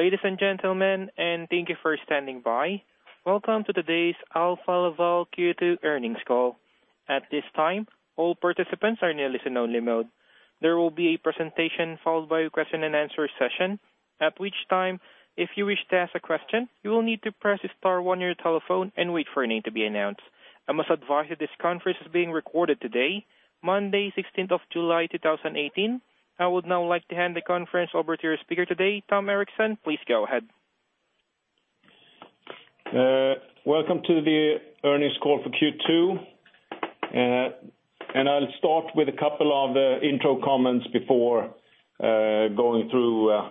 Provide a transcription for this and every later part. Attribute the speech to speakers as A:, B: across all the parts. A: Ladies and gentlemen, thank you for standing by. Welcome to today's Alfa Laval Q2 earnings call. At this time, all participants are in a listen-only mode. There will be a presentation followed by a question-and-answer session. At which time, if you wish to ask a question, you will need to press star one on your telephone and wait for your name to be announced. I must advise you this conference is being recorded today, Monday, 16th of July 2018. I would now like to hand the conference over to your speaker today, Tom Erixon. Please go ahead.
B: Welcome to the earnings call for Q2. I'll start with a couple of intro comments before going through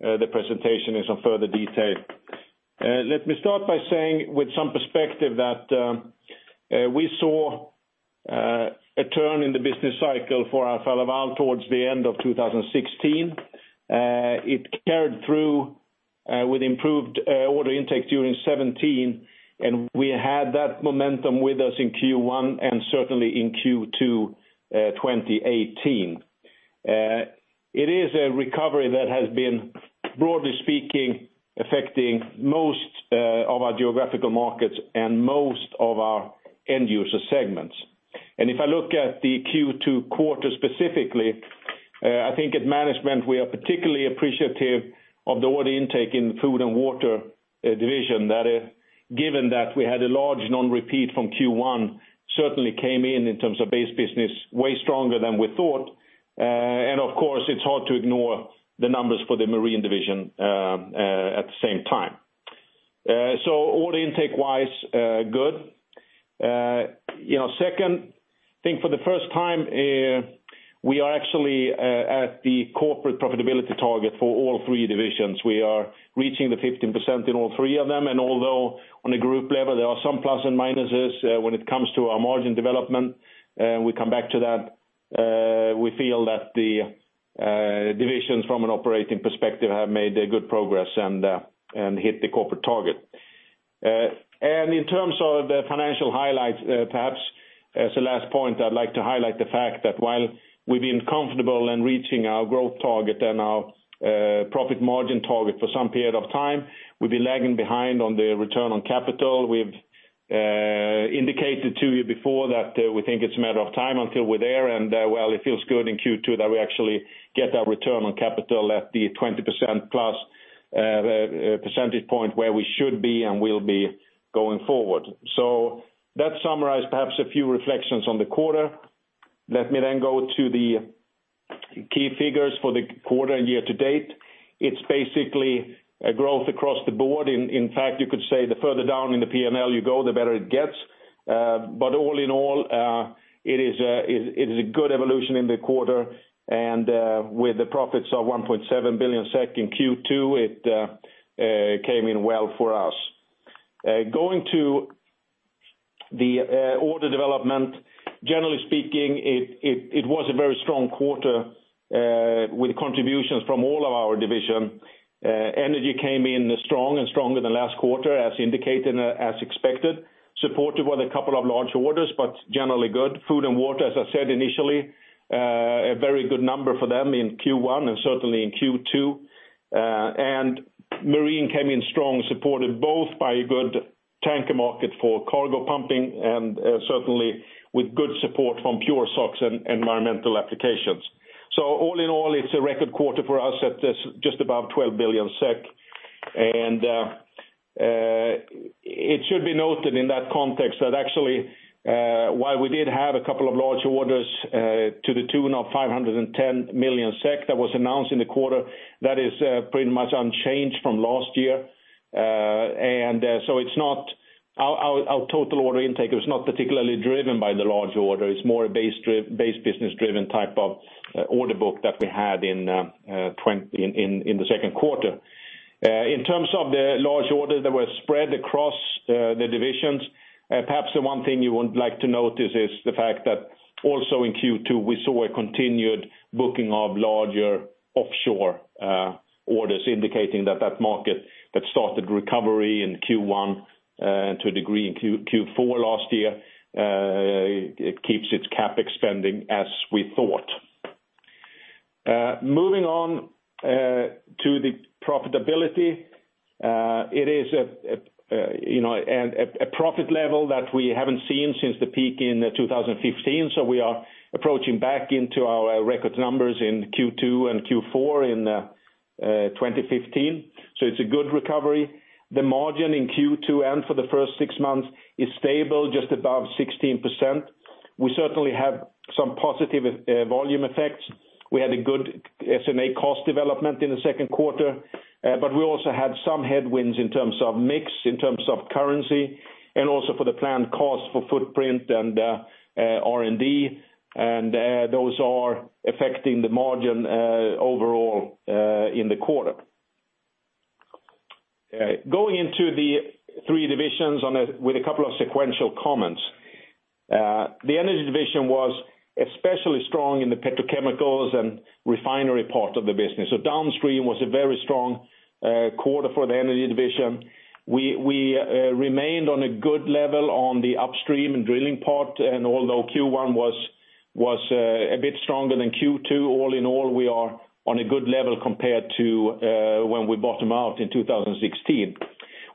B: the presentation in some further detail. Let me start by saying with some perspective that we saw a turn in the business cycle for Alfa Laval towards the end of 2016. It carried through with improved order intake during 2017, and we had that momentum with us in Q1 and certainly in Q2 2018. It is a recovery that has been, broadly speaking, affecting most of our geographical markets and most of our end-user segments. If I look at the Q2 quarter specifically, I think at management, we are particularly appreciative of the order intake in the Food & Water Division that, given that we had a large non-repeat from Q1, certainly came in terms of base business, way stronger than we thought. Of course, it's hard to ignore the numbers for the Marine Division at the same time. Order intake-wise, good. Second, I think for the first time, we are actually at the corporate profitability target for all three divisions. We are reaching the 15% in all three of them, and although on a group level, there are some plus and minuses when it comes to our margin development, we come back to that, we feel that the divisions from an operating perspective have made good progress and hit the corporate target. In terms of the financial highlights, perhaps as a last point, I'd like to highlight the fact that while we've been comfortable in reaching our growth target and our profit margin target for some period of time, we've been lagging behind on the return on capital. We've indicated to you before that we think it's a matter of time until we're there. Well, it feels good in Q2 that we actually get that return on capital at the 20%+ percentage point where we should be and will be going forward. That summarized perhaps a few reflections on the quarter. Let me go to the key figures for the quarter and year to date. It's basically a growth across the board. In fact, you could say the further down in the P&L you go, the better it gets. All in all, it is a good evolution in the quarter, and with the profits of 1.7 billion SEK in Q2, it came in well for us. Going to the order development, generally speaking, it was a very strong quarter with contributions from all of our divisions. Energy came in strong and stronger than last quarter, as indicated, as expected, supported by a couple of large orders, but generally good. Food & Water, as I said initially, a very good number for them in Q1 and certainly in Q2. Marine came in strong, supported both by a good tanker market for cargo pumping and certainly with good support from PureSOx and environmental applications. All in all, it's a record quarter for us at just above 12 billion SEK. It should be noted in that context that actually, while we did have a couple of large orders to the tune of 510 million SEK that was announced in the quarter, that is pretty much unchanged from last year. Our total order intake was not particularly driven by the large order. It's more a base business-driven type of order book that we had in the second quarter. In terms of the large orders, they were spread across the divisions. Perhaps the one thing you would like to notice is the fact that also in Q2, we saw a continued booking of larger offshore orders, indicating that that market that started recovery in Q1, to a degree in Q4 last year, it keeps its CapEx spending as we thought. Moving on to the profitability. It is a profit level that we haven't seen since the peak in 2015, so we are approaching back into our record numbers in Q2 and Q4 in 2015. It's a good recovery. The margin in Q2 and for the first six months is stable, just above 16%. We had a good S&A cost development in the second quarter, but we also had some headwinds in terms of mix, in terms of currency, and also for the planned cost for footprint and R&D. Those are affecting the margin overall in the quarter. Going into the three divisions with a couple of sequential comments. The Energy Division was especially strong in the petrochemicals and refinery part of the business, so downstream was a very strong quarter for the Energy Division. We remained on a good level on the upstream and drilling part, and although Q1 was a bit stronger than Q2, all in all, we are on a good level compared to when we bottomed out in 2016.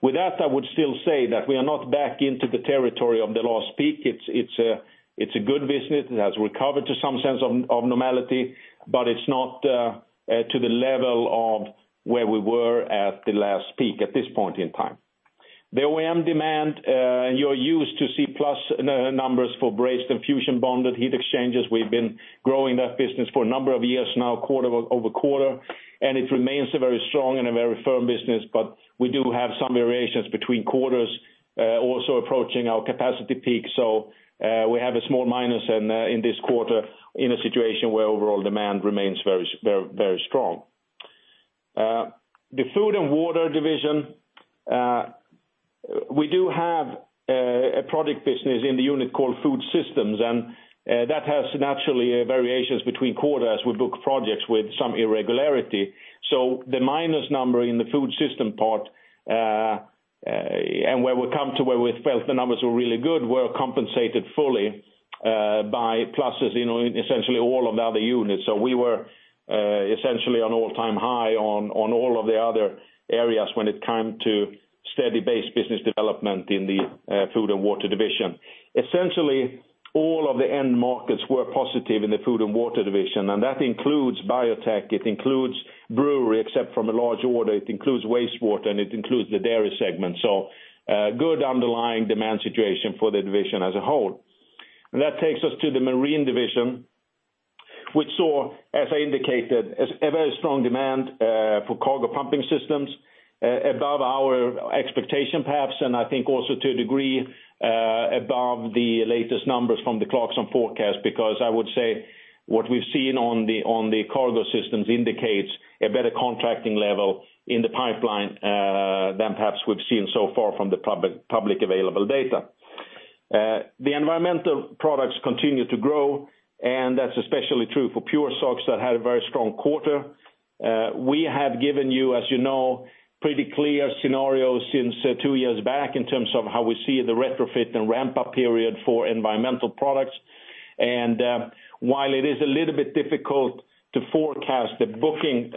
B: With that, I would still say that we are not back into the territory of the last peak. It's a good business. It has recovered to some sense of normality, but it's not to the level of where we were at the last peak at this point in time. The OEM demand. You're used to see plus numbers for brazed and fusion-bonded heat exchangers. We've been growing that business for a number of years now, quarter over quarter, and it remains a very strong and a very firm business, but we do have some variations between quarters, also approaching our capacity peak. We have a small minus in this quarter in a situation where overall demand remains very strong. The Food & Water Division, we do have a product business in the unit called Food Systems, and that has naturally variations between quarters. We book projects with some irregularity. The minus number in the Food Systems part, and where we come to where we felt the numbers were really good, were compensated fully by pluses in essentially all of the other units. We were essentially on all-time high on all of the other areas when it came to steady base business development in the Food & Water Division. All of the end markets were positive in the Food & Water Division, and that includes biotech. It includes brewery, except from a large order. It includes wastewater, and it includes the dairy segment. A good underlying demand situation for the division as a whole. That takes us to the Marine Division, which saw, as I indicated, a very strong demand for cargo pumping systems, above our expectation, perhaps, and I think also to a degree, above the latest numbers from the Clarksons forecast, because I would say what we've seen on the cargo systems indicates a better contracting level in the pipeline, than perhaps we've seen so far from the public available data. The environmental products continue to grow, and that's especially true for PureSOx that had a very strong quarter. We have given you, as you know, pretty clear scenarios since two years back in terms of how we see the retrofit and ramp-up period for environmental products. While it is a little bit difficult to forecast the booking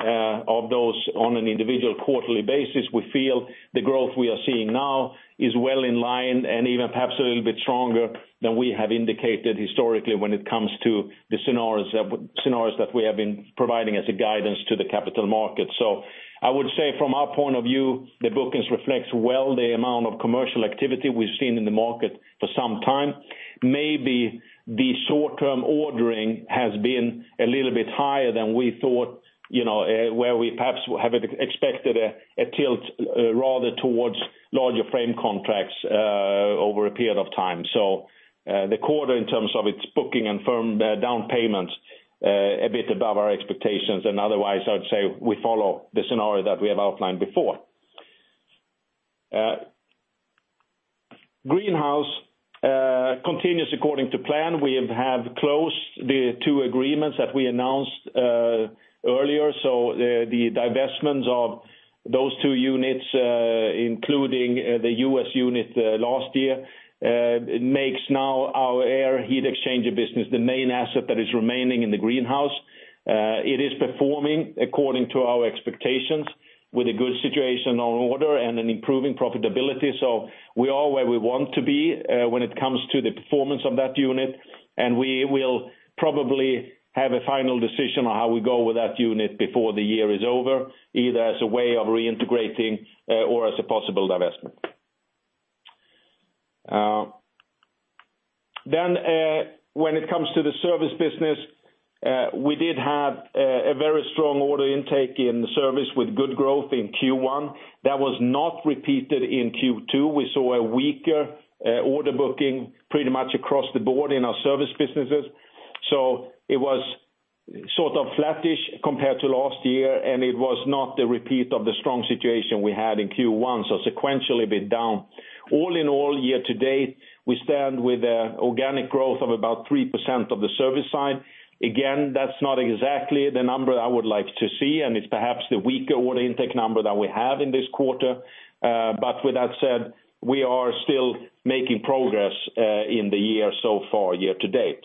B: of those on an individual quarterly basis, we feel the growth we are seeing now is well in line and even perhaps a little bit stronger than we have indicated historically when it comes to the scenarios that we have been providing as a guidance to the capital market. I would say from our point of view, the bookings reflects well the amount of commercial activity we've seen in the market for some time. Maybe the short-term ordering has been a little bit higher than we thought, where we perhaps have expected a tilt rather towards larger frame contracts over a period of time. The quarter in terms of its booking and firm down payments, a bit above our expectations. Otherwise, I would say we follow the scenario that we have outlined before. Greenhouse continues according to plan. We have closed the two agreements that we announced earlier, the divestments of those two units, including the U.S. unit last year, makes now our air heat exchanger business the main asset that is remaining in the Greenhouse. It is performing according to our expectations with a good situation on order and an improving profitability. We are where we want to be when it comes to the performance of that unit, and we will probably have a final decision on how we go with that unit before the year is over, either as a way of reintegrating or as a possible divestment. When it comes to the service business, we did have a very strong order intake in service with good growth in Q1. That was not repeated in Q2. We saw a weaker order booking pretty much across the board in our service businesses. It was sort of flattish compared to last year. It was not the repeat of the strong situation we had in Q1. Sequentially a bit down. All in all, year to date, we stand with organic growth of about 3% of the service side. Again, that's not exactly the number that I would like to see. It's perhaps the weaker order intake number that we have in this quarter. With that said, we are still making progress in the year so far, year to date.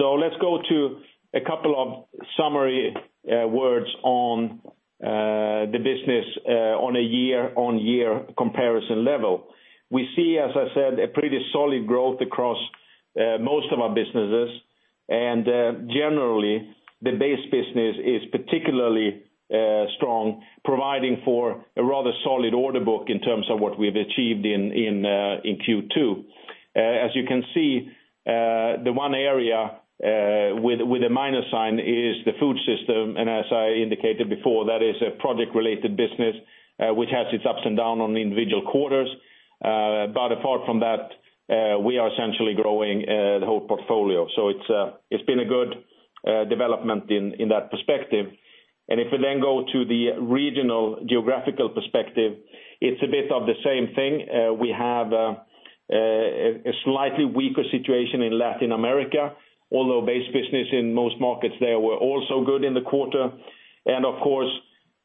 B: Let's go to a couple of summary words on the business on a year-on-year comparison level. We see, as I said, a pretty solid growth across most of our businesses. Generally, the base business is particularly strong, providing for a rather solid order book in terms of what we've achieved in Q2. As you can see, the one area with a minus sign is the Food Systems, as I indicated before, that is a project-related business which has its ups and down on individual quarters. Apart from that, we are essentially growing the whole portfolio. It's been a good development in that perspective. If we then go to the regional geographical perspective, it's a bit of the same thing. We have a slightly weaker situation in Latin America, although base business in most markets there were also good in the quarter. Of course,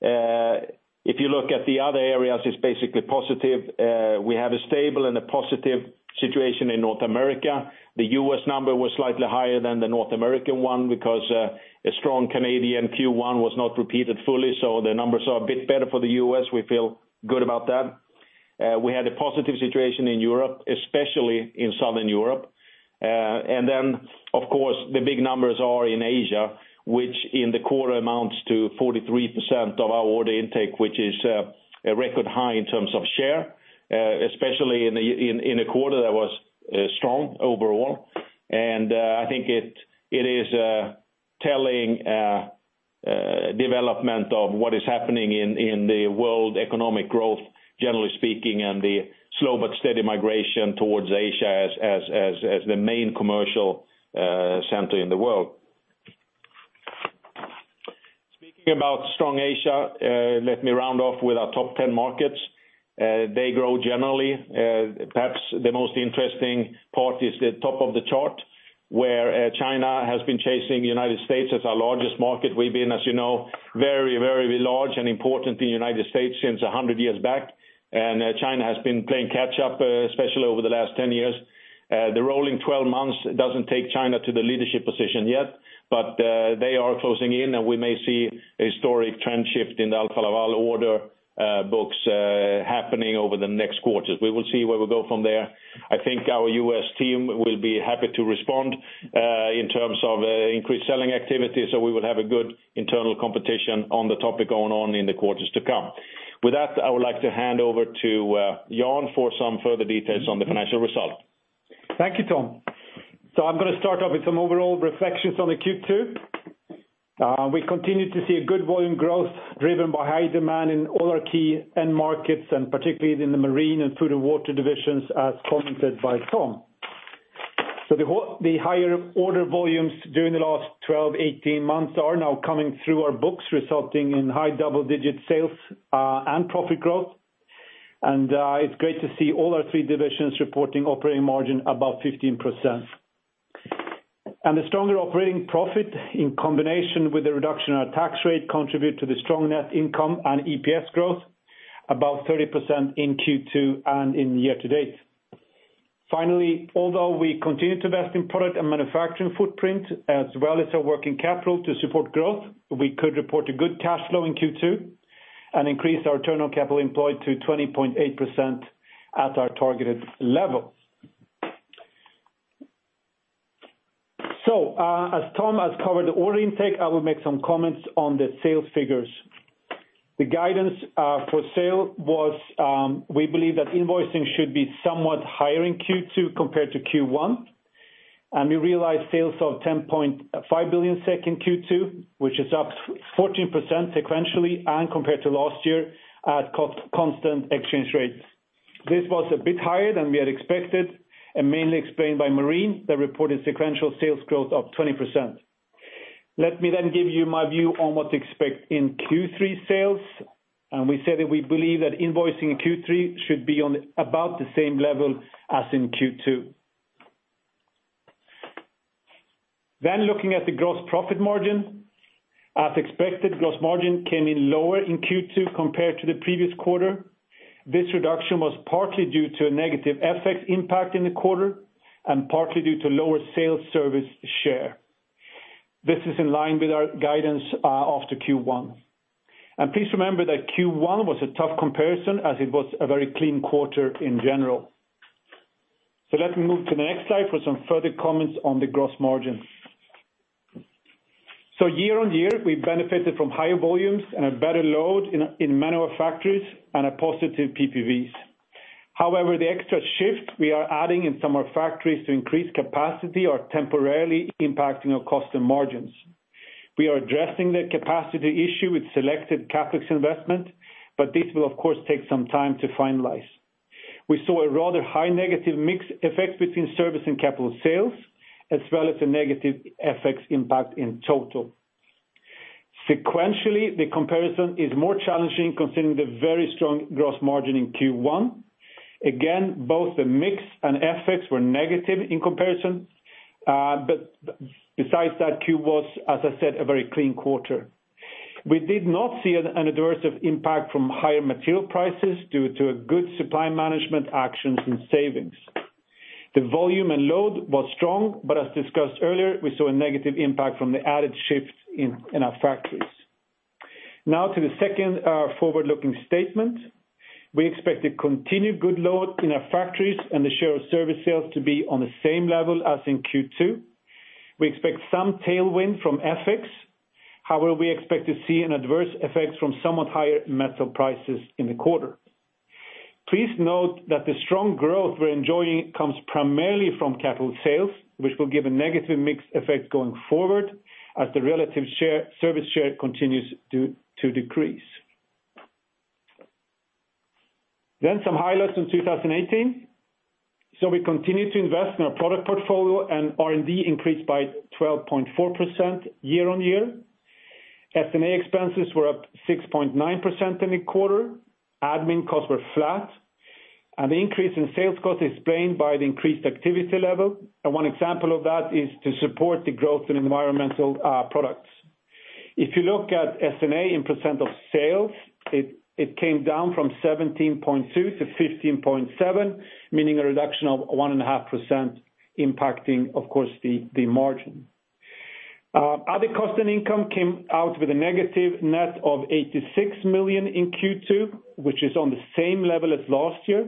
B: if you look at the other areas, it's basically positive. We have a stable and a positive situation in North America. The U.S. number was slightly higher than the North American one because a strong Canadian Q1 was not repeated fully, so the numbers are a bit better for the U.S. We feel good about that. We had a positive situation in Europe, especially in Southern Europe. Then, of course, the big numbers are in Asia, which in the quarter amounts to 43% of our order intake, which is a record high in terms of share, especially in a quarter that was strong overall. I think it is a telling development of what is happening in the world economic growth, generally speaking, and the slow but steady migration towards Asia as the main commercial center in the world. Speaking about strong Asia, let me round off with our top 10 markets. They grow generally. Perhaps the most interesting part is the top of the chart, where China has been chasing the United States as our largest market. We've been, as you know, very large and important in the United States since 100 years back. China has been playing catch up, especially over the last 10 years. The rolling 12 months doesn't take China to the leadership position yet. They are closing in, and we may see a historic trend shift in the Alfa Laval order books happening over the next quarters. We will see where we go from there. I think our U.S. team will be happy to respond in terms of increased selling activity. We will have a good internal competition on the topic going on in the quarters to come. With that, I would like to hand over to Jan for some further details on the financial result.
C: Thank you, Tom. I am going to start off with some overall reflections on the Q2. We continue to see a good volume growth driven by high demand in all our key end markets, particularly in the Marine and Food & Water divisions, as commented by Tom. The higher order volumes during the last 12, 18 months are now coming through our books, resulting in high double-digit sales and profit growth. It is great to see all our three divisions reporting operating margin above 15%. The stronger operating profit, in combination with the reduction in our tax rate, contribute to the strong net income and EPS growth, above 30% in Q2 and in year-to-date. Finally, although we continue to invest in product and manufacturing footprint as well as our working capital to support growth, we could report a good cash flow in Q2 and increase our return on capital employed to 20.8% at our targeted level. As Tom has covered the order intake, I will make some comments on the sales figures. The guidance for sale was, we believe that invoicing should be somewhat higher in Q2 compared to Q1. We realized sales of 10.5 billion SEK in Q2, which is up 14% sequentially and compared to last year at constant exchange rates. This was a bit higher than we had expected and mainly explained by Marine that reported sequential sales growth of 20%. Let me give you my view on what to expect in Q3 sales, we say that we believe that invoicing in Q3 should be on about the same level as in Q2. Looking at the gross profit margin. As expected, gross margin came in lower in Q2 compared to the previous quarter. This reduction was partly due to a negative FX impact in the quarter and partly due to lower sales service share. This is in line with our guidance after Q1. Please remember that Q1 was a tough comparison as it was a very clean quarter in general. Let me move to the next slide for some further comments on the gross margin. Year-on-year, we benefited from higher volumes and a better load in manual factories and a positive PPVs. However, the extra shift we are adding in some of our factories to increase capacity are temporarily impacting our cost and margins. We are addressing the capacity issue with selected CapEx investment, but this will of course take some time to finalize. We saw a rather high negative mix effect between service and capital sales, as well as a negative FX impact in total. Sequentially, the comparison is more challenging considering the very strong gross margin in Q1. Again, both the mix and FX were negative in comparison. Besides that, Q1 was, as I said, a very clean quarter. We did not see an adverse impact from higher material prices due to good supply management actions and savings. The volume and load was strong, but as discussed earlier, we saw a negative impact from the added shift in our factories. Now to the second forward-looking statement. We expect a continued good load in our factories and the share of service sales to be on the same level as in Q2. We expect some tailwind from FX. However, we expect to see an adverse effect from somewhat higher metal prices in the quarter. Please note that the strong growth we're enjoying comes primarily from capital sales, which will give a negative mix effect going forward as the relative service share continues to decrease. Some highlights in 2018. We continue to invest in our product portfolio, and R&D increased by 12.4% year-on-year. S&A expenses were up 6.9% in the quarter. Admin costs were flat, and the increase in sales cost is explained by the increased activity level. One example of that is to support the growth in environmental products. If you look at S&A in % of sales, it came down from 17.2% to 15.7%, meaning a reduction of 1.5% impacting, of course, the margin. Other cost and income came out with a negative net of 86 million in Q2, which is on the same level as last year.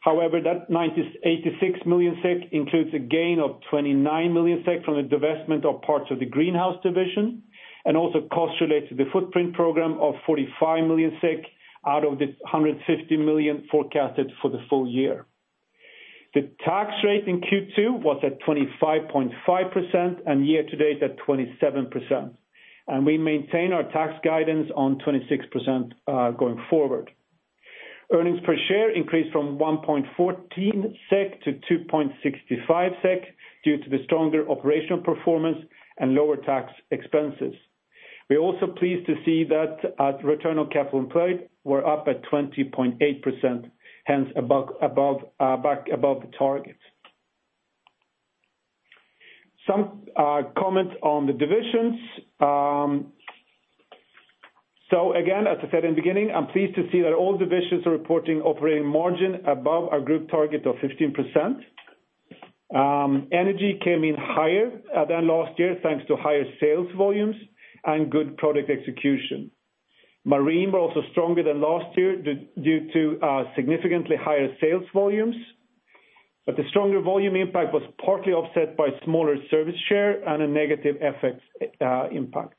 C: However, that 86 million SEK includes a gain of 29 million SEK from the divestment of parts of the greenhouse division, and also cost related to the footprint program of 45 million SEK out of the 150 million forecasted for the full year. The tax rate in Q2 was at 25.5% and year-to-date at 27%. We maintain our tax guidance on 26% going forward. Earnings per share increased from 1.14 SEK to 2.65 SEK due to the stronger operational performance and lower tax expenses. We are also pleased to see that at return on capital employed, we're up at 20.8%, hence back above the target. Some comments on the divisions. Again, as I said in the beginning, I'm pleased to see that all divisions are reporting operating margin above our group target of 15%. Energy came in higher than last year, thanks to higher sales volumes and good product execution. Marine were also stronger than last year due to significantly higher sales volumes. The stronger volume impact was partly offset by smaller service share and a negative FX impact.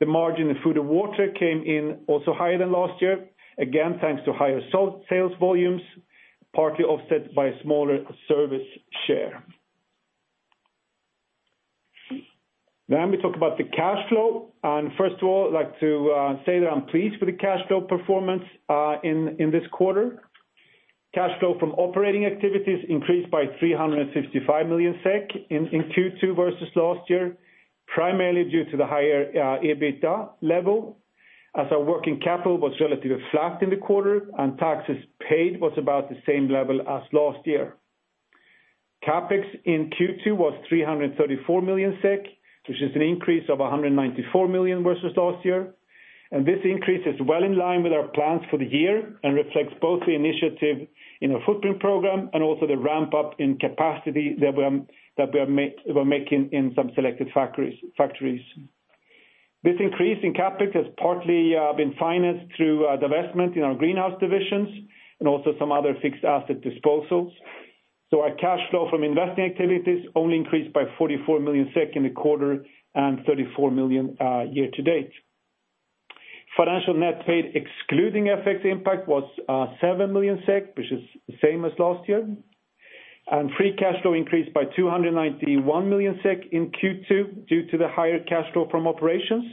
C: The margin in Food & Water came in also higher than last year, again, thanks to higher sales volumes, partly offset by a smaller service share. We talk about the cash flow. First of all, I'd like to say that I'm pleased with the cash flow performance in this quarter. Cash flow from operating activities increased by 355 million SEK in Q2 versus last year, primarily due to the higher EBITDA level as our working capital was relatively flat in the quarter, and taxes paid was about the same level as last year. CapEx in Q2 was 334 million SEK, which is an increase of 194 million versus last year. This increase is well in line with our plans for the year and reflects both the initiative in our footprint program and also the ramp-up in capacity that we are making in some selected factories. This increase in CapEx has partly been financed through divestment in our greenhouse divisions and also some other fixed asset disposals. Our cash flow from investing activities only increased by 44 million SEK in the quarter and 34 million year-to-date. Financial net paid excluding FX impact was 7 million SEK, which is the same as last year. Free cash flow increased by 291 million SEK in Q2 due to the higher cash flow from operations.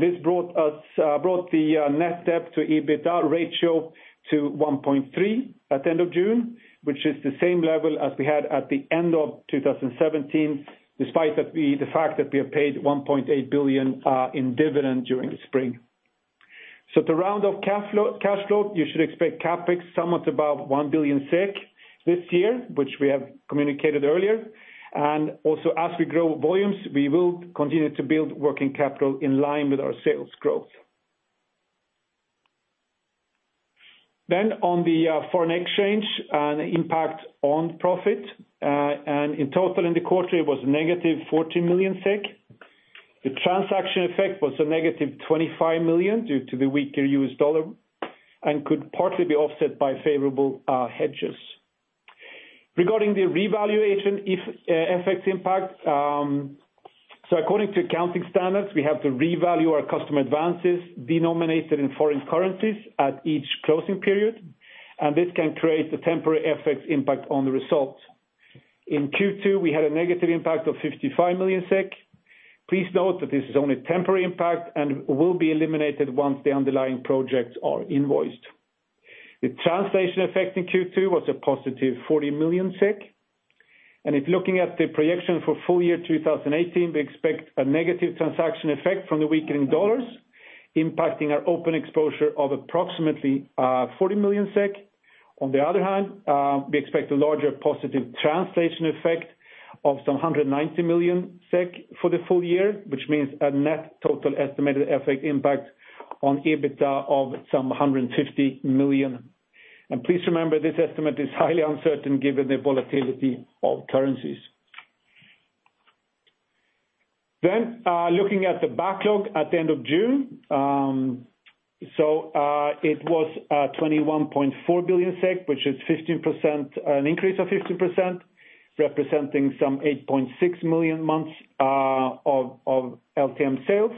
C: This brought the net debt to EBITDA ratio to 1.3 at the end of June, which is the same level as we had at the end of 2017, despite the fact that we have paid 1.8 billion in dividend during the spring. To round off cash flow, you should expect CapEx somewhat above 1 billion SEK this year, which we have communicated earlier. Also as we grow volumes, we will continue to build working capital in line with our sales growth. On the foreign exchange and impact on profit. In total in the quarter, it was negative 14 million SEK. The transaction effect was a negative 25 million due to the weaker U.S. dollar and could partly be offset by favorable hedges. Regarding the revaluation FX impact, according to accounting standards, we have to revalue our customer advances denominated in foreign currencies at each closing period, and this can create a temporary FX impact on the results. In Q2, we had a negative impact of 55 million SEK. Please note that this is only a temporary impact and will be eliminated once the underlying projects are invoiced. The translation effect in Q2 was a positive 40 million SEK. If looking at the projection for full year 2018, we expect a negative transaction effect from the weakening dollars, impacting our open exposure of approximately 40 million SEK. On the other hand, we expect a larger positive translation effect of some 190 million SEK for the full year, which means a net total estimated effect impact on EBITDA of some 150 million. Please remember, this estimate is highly uncertain given the volatility of currencies. Looking at the backlog at the end of June. It was 21.4 billion SEK, which is an increase of 15%, representing some 8.6 million months of LTM sales.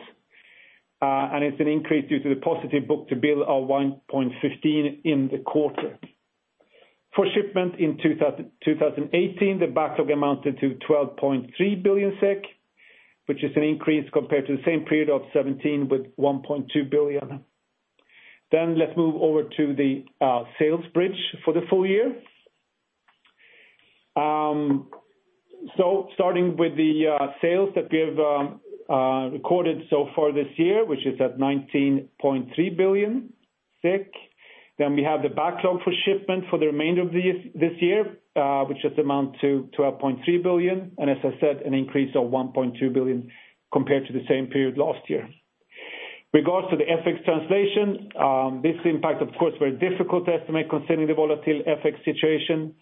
C: It's an increase due to the positive book-to-bill of 1.15 in the quarter. For shipment in 2018, the backlog amounted to 12.3 billion SEK, which is an increase compared to the same period of 2017 with 1.2 billion. Let's move over to the sales bridge for the full year. Starting with the sales that we have recorded so far this year, which is at 19.3 billion. We have the backlog for shipment for the remainder of this year, which is amount to 12.3 billion, and as I said, an increase of 1.2 billion compared to the same period last year. Regarding the FX translation, this impact of course, very difficult to estimate considering the volatile FX situation.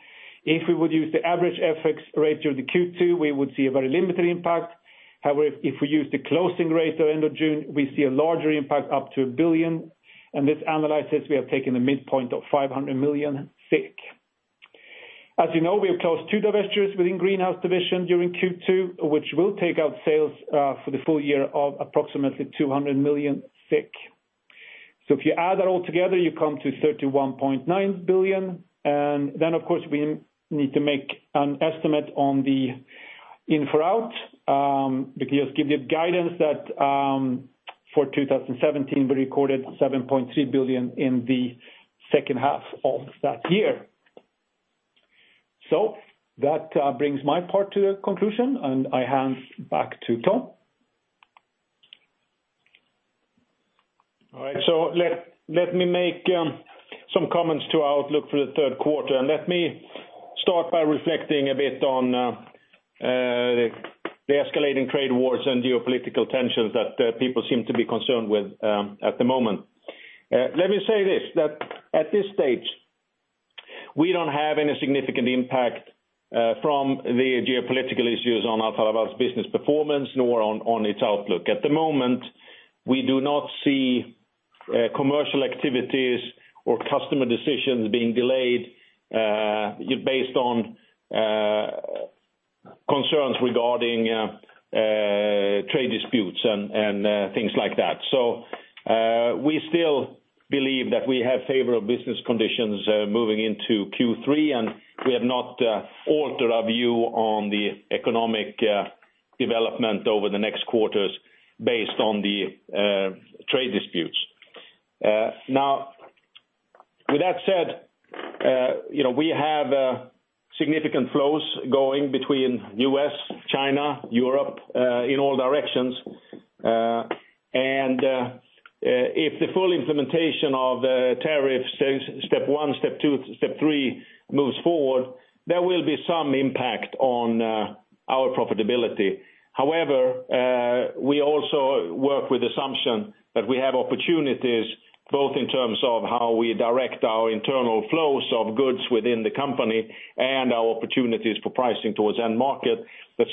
C: If we would use the average FX rate during the Q2, we would see a very limited impact. If we use the closing rate at end of June, we see a larger impact up to 1 billion, and this analysis, we have taken a midpoint of 500 million. As you know, we have closed two divestitures within Greenhouse Division during Q2, which will take out sales for the full year of approximately 200 million. If you add that all together, you come to 31.9 billion. We need to make an estimate on the in-and-out. We can just give you guidance that for 2017 we recorded 7.3 billion in the second half of that year. That brings my part to a conclusion and I hand back to Tom.
B: Let me make some comments to outlook for the third quarter, and let me start by reflecting a bit on the escalating trade wars and geopolitical tensions that people seem to be concerned with at the moment. Let me say this, that at this stage, we don't have any significant impact from the geopolitical issues on Alfa Laval's business performance nor on its outlook. At the moment, we do not see commercial activities or customer decisions being delayed based on concerns regarding trade disputes and things like that. We still believe that we have favorable business conditions moving into Q3, and we have not altered our view on the economic development over the next quarters based on the trade disputes. With that said, we have significant flows going between U.S., China, Europe, in all directions. If the full implementation of the tariff, step 1, step 2, step 3 moves forward, there will be some impact on our profitability. However, we also work with assumption that we have opportunities both in terms of how we direct our internal flows of goods within the company and our opportunities for pricing towards end market.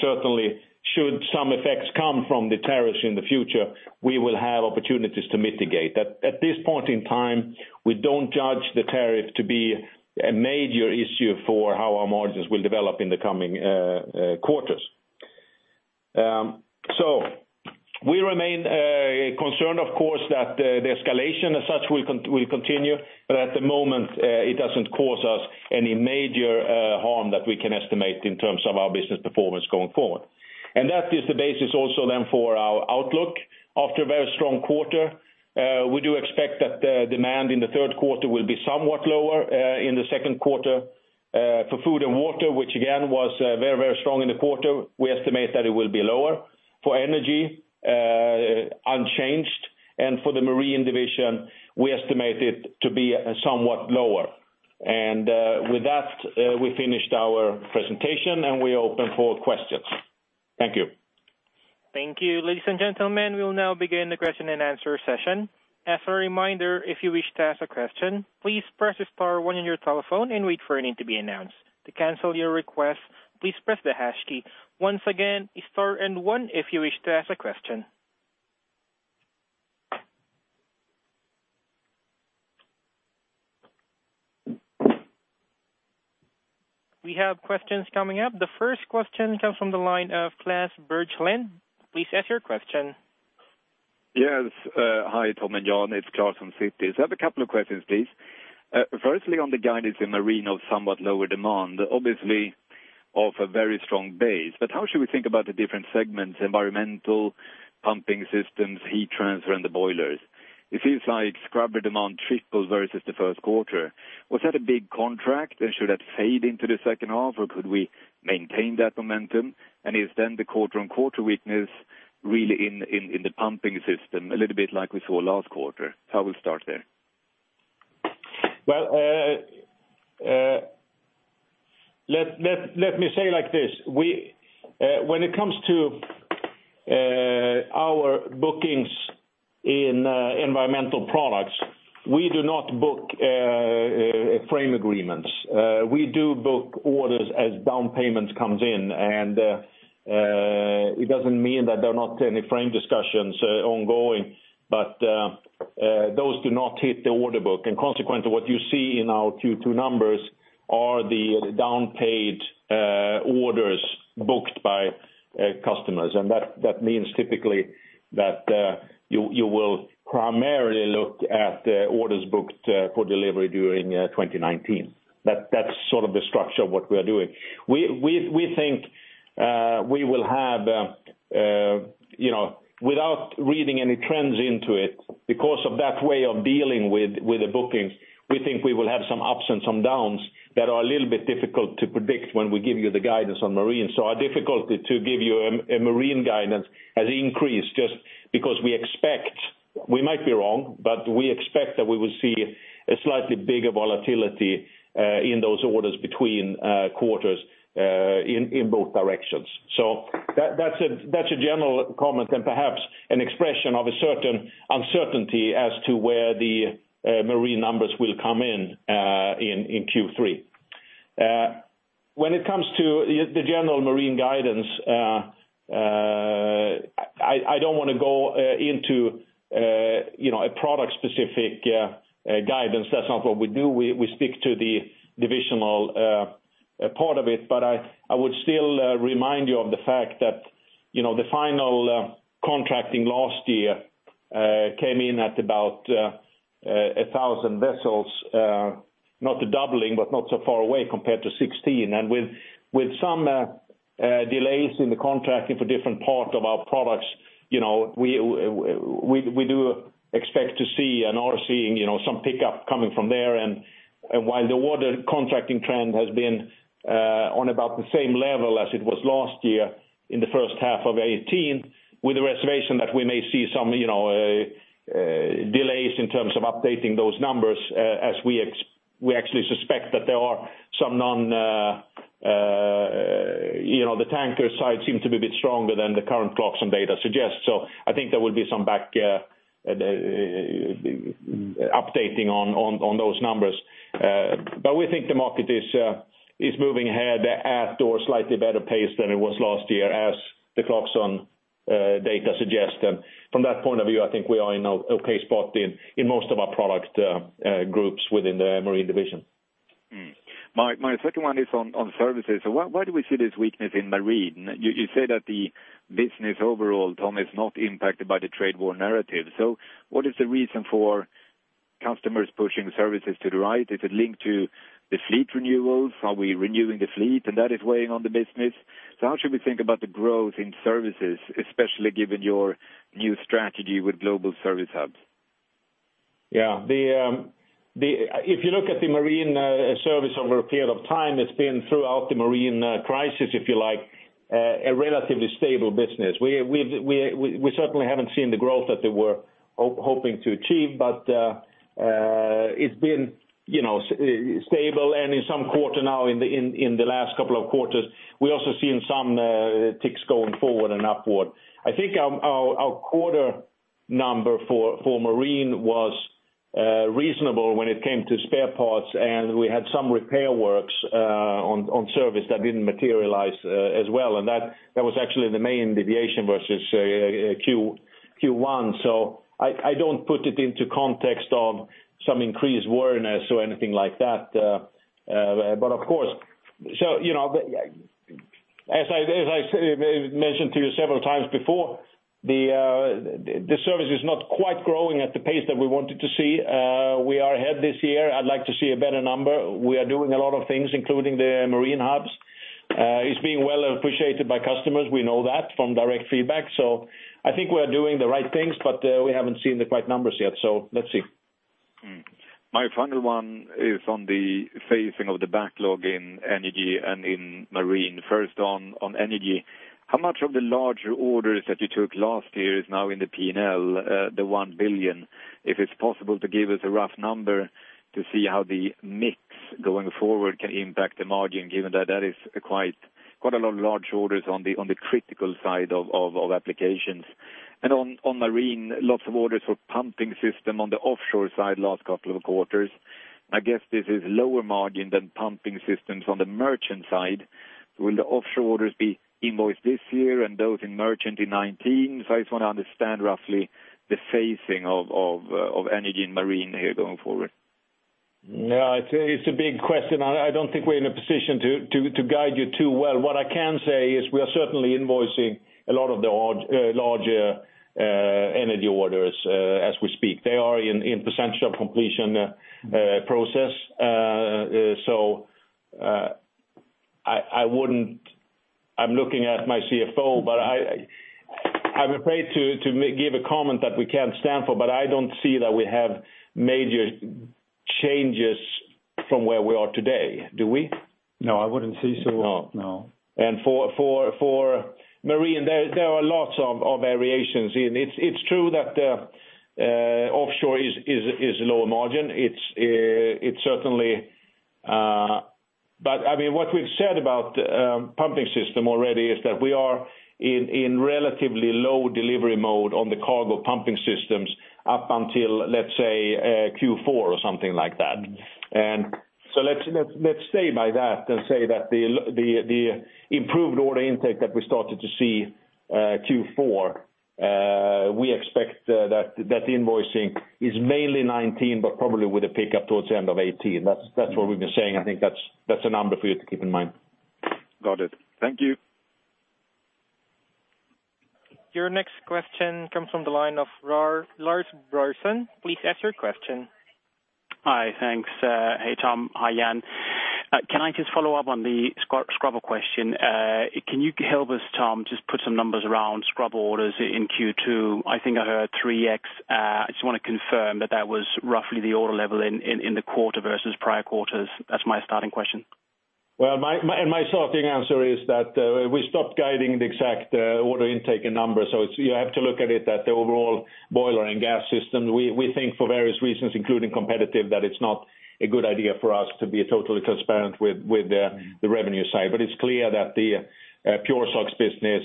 B: Certainly should some effects come from the tariffs in the future, we will have opportunities to mitigate. At this point in time, we don't judge the tariff to be a major issue for how our margins will develop in the coming quarters. We remain concerned of course that the escalation as such will continue, but at the moment, it doesn't cause us any major harm that we can estimate in terms of our business performance going forward. That is the basis also then for our outlook. After a very strong quarter, we do expect that the demand in the third quarter will be somewhat lower in the second quarter. For Food & Water Division, which again was very, very strong in the quarter, we estimate that it will be lower. For Energy Division, unchanged. For the Marine Division, we estimate it to be somewhat lower. With that, we finished our presentation and we open for questions. Thank you.
A: Thank you. Ladies and gentlemen, we will now begin the question and answer session. As a reminder, if you wish to ask a question, please press star one on your telephone and wait for your name to be announced. To cancel your request, please press the hash key. Once again, star and one if you wish to ask a question. We have questions coming up. The first question comes from the line of Klas Bergelind. Please ask your question.
D: Yes. Hi Tom and Jan, it's Klas from Citi. I have a couple of questions, please. Firstly, on the guidance in Marine of somewhat lower demand, obviously off a very strong base. How should we think about the different segments, environmental pumping systems, heat transfer, and the boilers? It seems like scrubber demand tripled versus the first quarter. Was that a big contract and should that fade into the second half or could we maintain that momentum? Is then the quarter-on-quarter weakness really in the pumping system a little bit like we saw last quarter? I will start there.
B: Well, let me say like this. When it comes to our bookings in environmental products, we do not book frame agreements. We do book orders as down payment comes in, it doesn't mean that there are not any frame discussions ongoing, but those do not hit the order book. Consequently, what you see in our Q2 numbers are the down-paid orders booked by customers. That means typically that you will primarily look at the orders booked for delivery during 2019. That's sort of the structure of what we're doing. We think we will have a Without reading any trends into it, because of that way of dealing with the bookings, we think we will have some ups and some downs that are a little bit difficult to predict when we give you the guidance on Marine. Our difficulty to give you a Marine guidance has increased just because we expect, we might be wrong, but we expect that we will see a slightly bigger volatility in those orders between quarters in both directions. That's a general comment and perhaps an expression of a certain uncertainty as to where the Marine numbers will come in Q3. When it comes to the general Marine guidance, I don't want to go into a product-specific guidance. That's not what we do. We stick to the divisional part of it. I would still remind you of the fact that the final contracting last year came in at about 1,000 vessels, not doubling, but not so far away compared to 2016. With some delays in the contracting for different parts of our products, we do expect to see and are seeing some pickup coming from there. While the order contracting trend has been on about the same level as it was last year in the first half of 2018, with the reservation that we may see some delays in terms of updating those numbers, as we actually suspect that there are some. The tanker side seems to be a bit stronger than the current Clarksons data suggests. I think there will be some back updating on those numbers. We think the market is moving ahead at or slightly better pace than it was last year, as the Clarksons data suggests. From that point of view, I think we are in an okay spot in most of our product groups within the Marine Division.
D: My second one is on services. Why do we see this weakness in Marine? You say that the business overall, Tom, is not impacted by the trade war narrative. What is the reason for customers pushing services to the right? Is it linked to the fleet renewals? Are we renewing the fleet and that is weighing on the business? How should we think about the growth in services, especially given your new strategy with global service hubs?
B: If you look at the Marine service over a period of time, it's been throughout the Marine crisis, if you like, a relatively stable business. We certainly haven't seen the growth that they were hoping to achieve, but it's been stable. In some quarter now in the last couple of quarters, we also seen some ticks going forward and upward. I think our quarter number for Marine was reasonable when it came to spare parts, and we had some repair works on service that didn't materialize as well. That was actually the main deviation versus Q1. I don't put it into context of some increased wariness or anything like that. Of course, as I mentioned to you several times before, the service is not quite growing at the pace that we wanted to see. We are ahead this year. I'd like to see a better number. We are doing a lot of things, including the Marine hubs. It's being well appreciated by customers, we know that from direct feedback. I think we are doing the right things, but we haven't seen the right numbers yet. Let's see.
D: My final one is on the phasing of the backlog in Energy and in Marine. First on Energy, how much of the larger orders that you took last year is now in the P&L, the 1 billion? If it's possible to give us a rough number to see how the mix going forward can impact the margin, given that that is quite a lot of large orders on the critical side of applications. On Marine, lots of orders for pumping system on the offshore side last couple of quarters. I guess this is lower margin than pumping systems on the merchant side. Will the offshore orders be invoiced this year and those in merchant in 2019? I just want to understand roughly the phasing of Energy and Marine here going forward.
B: It's a big question. I don't think we're in a position to guide you too well. What I can say is we are certainly invoicing a lot of the larger Energy orders as we speak. They are in potential completion process. I'm looking at my CFO, I'm afraid to give a comment that we can't stand for, I don't see that we have major changes from where we are today. Do we?
C: I wouldn't say so.
B: No.
C: No.
B: For Marine, there are lots of variations. It's true that offshore is lower margin. What we've said about pumping system already is that we are in relatively low delivery mode on the cargo pumping systems up until, let's say, Q4 or something like that. Let's stay by that and say that the improved order intake that we started to see Q4, we expect that that invoicing is mainly 2019, probably with a pickup towards the end of 2018. That's what we've been saying. I think that's a number for you to keep in mind.
D: Got it. Thank you.
A: Your next question comes from the line of Lars Brorson. Please ask your question.
E: Hi, thanks. Hey, Tom. Hi, Jan. Can I just follow up on the scrubber question? Can you help us, Tom, just put some numbers around scrubber orders in Q2? I think I heard 3x. I just want to confirm that was roughly the order level in the quarter versus prior quarters. That's my starting question.
B: Well, my starting answer is that we stopped guiding the exact order intake and numbers. You have to look at it that the overall boiler and gas system, we think for various reasons, including competitive, that it's not a good idea for us to be totally transparent with the revenue side. It's clear that the PureSOx business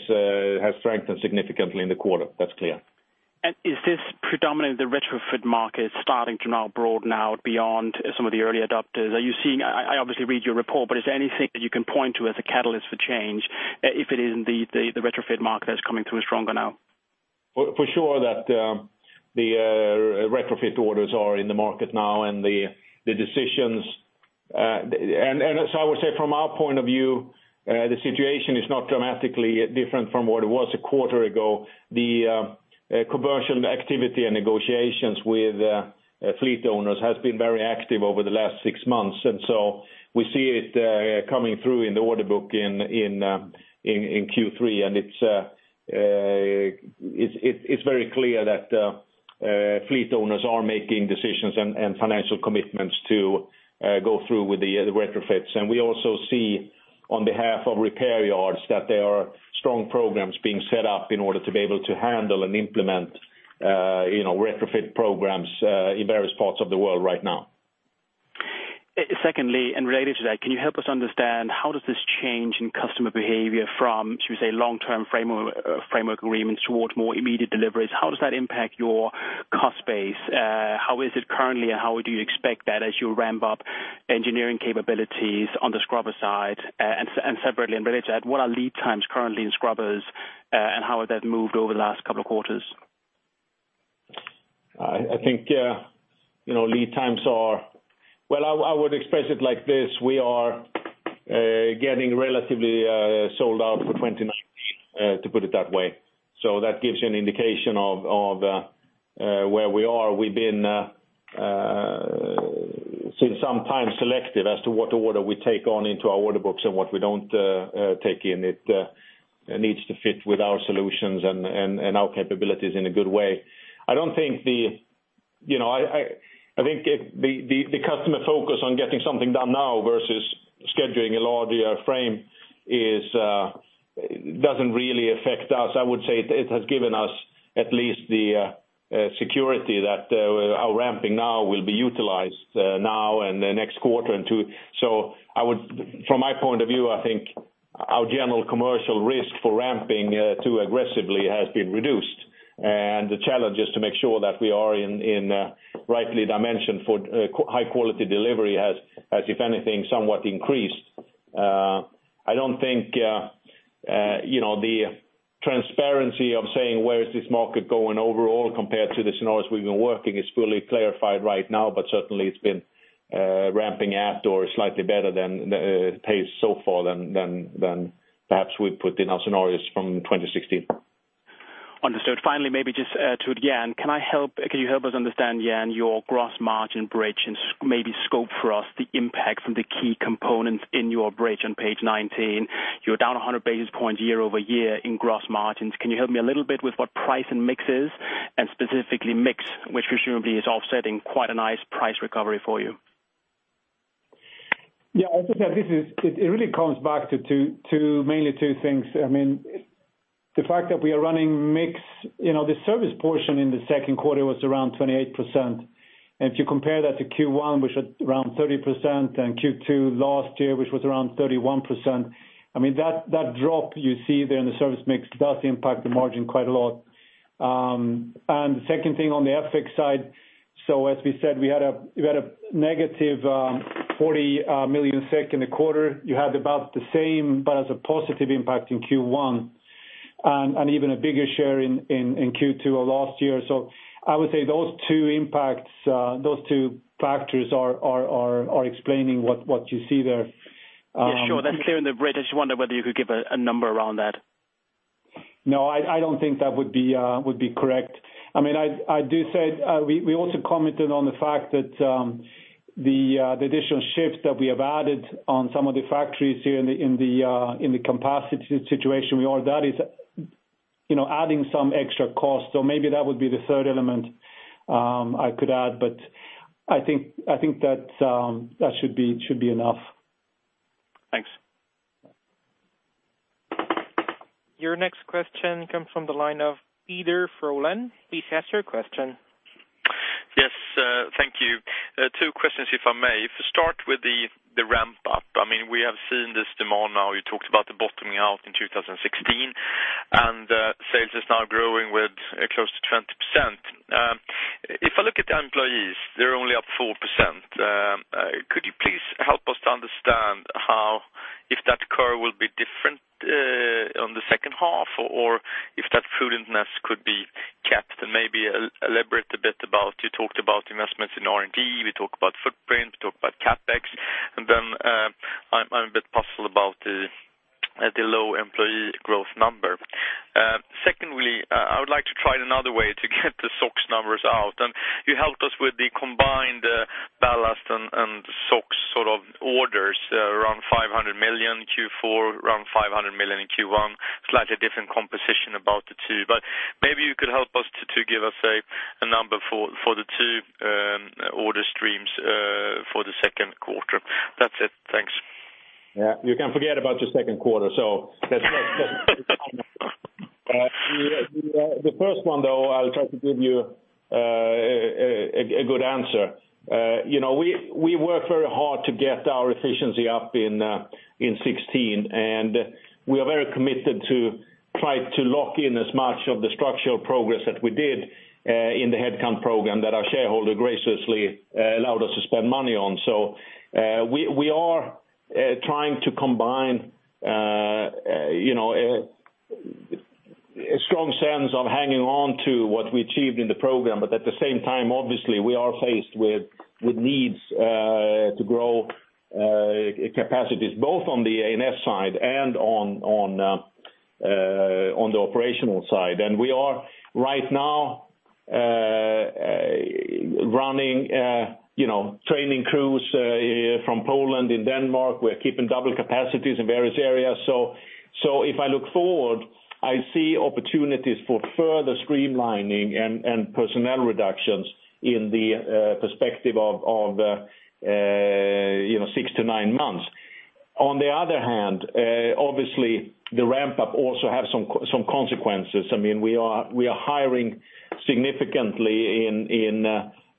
B: has strengthened significantly in the quarter. That's clear.
E: Is this predominantly the retrofit market starting to now broaden out beyond some of the early adopters? I obviously read your report, but is there anything that you can point to as a catalyst for change, if it is indeed the retrofit market that's coming through stronger now?
B: For sure that the retrofit orders are in the market now. I would say from our point of view, the situation is not dramatically different from what it was a quarter ago. The commercial activity and negotiations with fleet owners has been very active over the last 6 months. We see it coming through in the order book in Q3, and it's very clear that fleet owners are making decisions and financial commitments to go through with the retrofits. We also see on behalf of repair yards that there are strong programs being set up in order to be able to handle and implement retrofit programs in various parts of the world right now.
E: Secondly, related to that, can you help us understand how does this change in customer behavior from, should we say, long-term framework agreements towards more immediate deliveries? How does that impact your cost base? How is it currently, and how do you expect that as you ramp up engineering capabilities on the scrubber side? Separately and related to that, what are lead times currently in scrubbers, and how have they moved over the last couple of quarters?
B: I think, well, I would express it like this: We are getting relatively sold out for 2019, to put it that way. That gives you an indication of where we are. We've been, since some time, selective as to what order we take on into our order books and what we don't take in. It needs to fit with our solutions and our capabilities in a good way. I think the customer focus on getting something done now versus scheduling a larger frame doesn't really affect us. I would say it has given us at least the security that our ramping now will be utilized now and then next quarter. From my point of view, I think our general commercial risk for ramping too aggressively has been reduced, and the challenge is to make sure that we are in rightly dimensioned for high-quality delivery, has, if anything, somewhat increased. I don't think the transparency of saying, where is this market going overall compared to the scenarios we've been working is fully clarified right now, but certainly it's been ramping out or slightly better than the pace so far than perhaps we put in our scenarios from 2016.
E: Understood. Finally, maybe just to Jan, can you help us understand, Jan, your gross margin bridge and maybe scope for us the impact from the key components in your bridge on page 19? You're down 100 basis points year-over-year in gross margins. Can you help me a little bit with what price and mix is and specifically mix, which presumably is offsetting quite a nice price recovery for you?
C: Yeah, I think that it really comes back to mainly two things. The fact that we are running mix-- The service portion in the second quarter was around 28%, and if you compare that to Q1, which was around 30%, and Q2 last year, which was around 31%, that drop you see there in the service mix does impact the margin quite a lot. The second thing on the FX side, as we said, we had a negative 40 million SEK in the quarter. You had about the same, but as a positive impact in Q1, and even a bigger share in Q2 of last year. I would say those two impacts, those two factors are explaining what you see there.
E: Yeah, sure. That's clear in the bridge. I just wonder whether you could give a number around that.
C: No, I don't think that would be correct. I do say we also commented on the fact that the additional shifts that we have added on some of the factories here in the capacity situation we are, that is adding some extra cost. Maybe that would be the third element I could add, but I think that should be enough.
E: Thanks.
A: Your next question comes from the line of Peter Frölund. Please ask your question.
F: Yes, thank you. Two questions, if I may. If I start with the ramp-up, we have seen this demand now. You talked about the bottoming out in 2016. Sales is now growing with close to 20%. If I look at the employees, they're only up 4%. Could you please help us to understand if that curve will be different on the second half, or if that prudentness could be kept? Maybe elaborate a bit about, you talked about investments in R&D, we talk about I'm a bit puzzled about the low employee growth number. Secondly, I would like to try it another way to get the SOx numbers out. You helped us with the combined ballast and SOx orders around 500 million Q4, around 500 million in Q1, slightly different composition about the two. Maybe you could help us to give us a number for the two order streams for the second quarter. That's it. Thanks.
B: Yeah. You can forget about your second quarter. The first one, though, I'll try to give you a good answer. We worked very hard to get our efficiency up in 2016, and we are very committed to try to lock in as much of the structural progress that we did in the headcount program that our shareholder graciously allowed us to spend money on. We are trying to combine a strong sense of hanging on to what we achieved in the program, but at the same time, obviously, we are faced with needs to grow capacities, both on the A&S side and on the operational side. We are right now running training crews from Poland in Denmark. We're keeping double capacities in various areas. If I look forward, I see opportunities for further streamlining and personnel reductions in the perspective of six to nine months. On the other hand, obviously, the ramp-up also have some consequences. We are hiring significantly in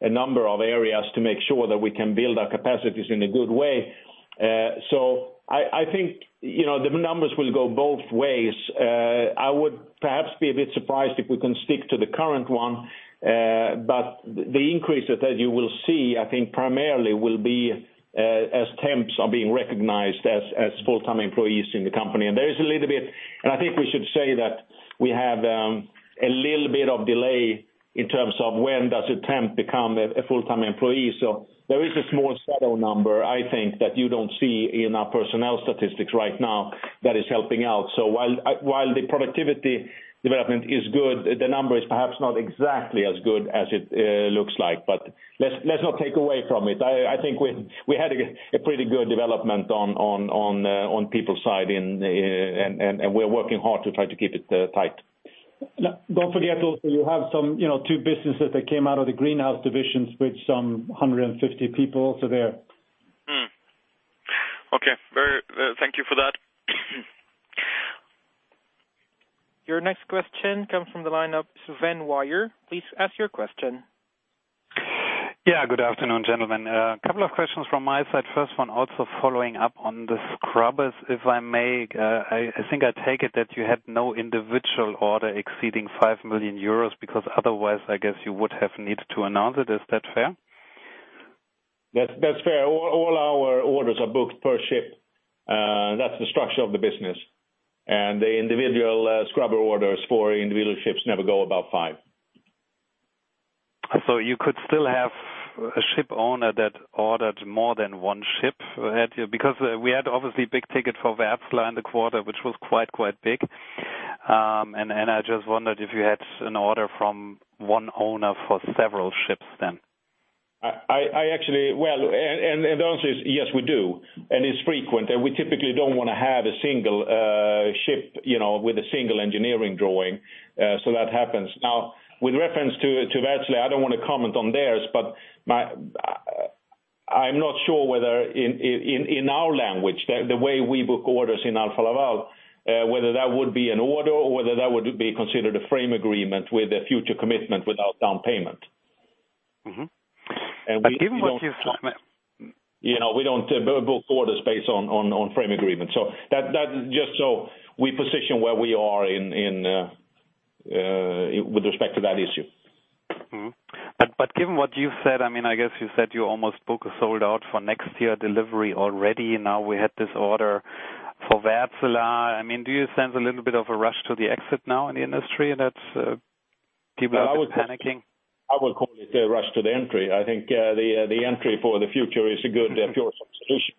B: a number of areas to make sure that we can build our capacities in a good way. I think the numbers will go both ways. I would perhaps be a bit surprised if we can stick to the current one. The increase that you will see, I think primarily will be as temps are being recognized as full-time employees in the company. I think we should say that we have a little bit of delay in terms of when does a temp become a full-time employee. There is a small shadow number, I think, that you don't see in our personnel statistics right now that is helping out. While the productivity development is good, the number is perhaps not exactly as good as it looks like. Let's not take away from it. I think we had a pretty good development on people side, and we're working hard to try to keep it tight.
C: Don't forget also, you have two businesses that came out of the greenhouse divisions with some 150 people, so there.
F: Okay. Thank you for that.
A: Your next question comes from the line of Sven Weier. Please ask your question.
G: Good afternoon, gentlemen. A couple of questions from my side. First one, also following up on the PureSOx, if I may. I think I take it that you had no individual order exceeding five million euros, because otherwise, I guess you would have needed to announce it. Is that fair?
B: That's fair. All our orders are booked per ship. That's the structure of the business. The individual PureSOx orders for individual ships never go above five.
G: You could still have a ship owner that ordered more than one ship ahead here, because we had obviously big ticket for Wärtsilä in the quarter, which was quite big. I just wondered if you had an order from one owner for several ships then.
B: The answer is yes, we do. It's frequent. We typically don't want to have a single ship with a single engineering drawing. That happens. Now, with reference to Wärtsilä, I don't want to comment on theirs, but I'm not sure whether in our language, the way we book orders in Alfa Laval, whether that would be an order, or whether that would be considered a frame agreement with a future commitment without down payment.
G: Mm-hmm. Given what you've-
B: We don't book orders based on frame agreements. That is just so we position where we are with respect to that issue.
G: Mm-hmm. Given what you've said, I guess you said you almost sold out for next year delivery already. Now we had this order for Wärtsilä. Do you sense a little bit of a rush to the exit now in the industry that's people are panicking?
B: I would call it a rush to the entry. I think the entry for the future is a good PureSOx solution.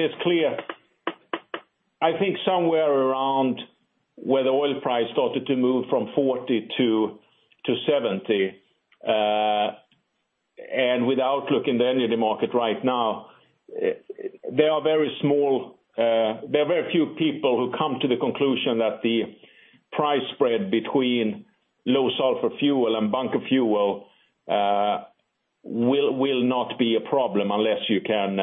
B: It's clear, I think somewhere around where the oil price started to move from 40 to 70, and with outlook in the energy market right now, there are very few people who come to the conclusion that the price spread between low sulfur fuel and bunker fuel will not be a problem unless you can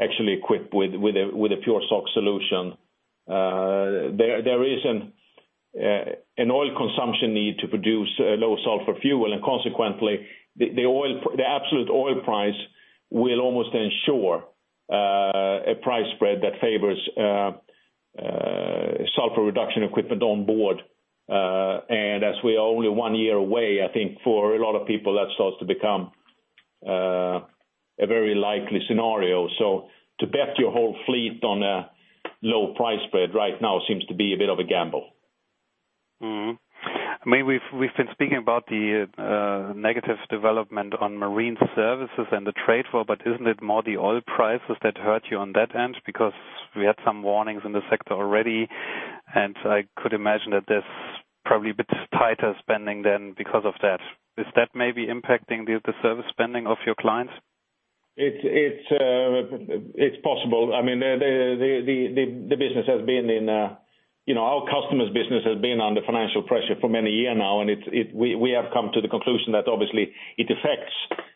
B: actually equip with a PureSOx solution. There is an oil consumption need to produce low sulfur fuel, and consequently, the absolute oil price will almost ensure a price spread that favors sulfur reduction equipment on board. As we are only one year away, I think for a lot of people, that starts to become a very likely scenario. To bet your whole fleet on a low price spread right now seems to be a bit of a gamble.
G: Mm-hmm. We've been speaking about the negative development on marine services and the trade flow, isn't it more the oil prices that hurt you on that end? We had some warnings in the sector already, I could imagine that there's probably a bit tighter spending then because of that. Is that maybe impacting the service spending of your clients?
C: It's possible. Our customers' business has been under financial pressure for many years now. We have come to the conclusion that obviously it affects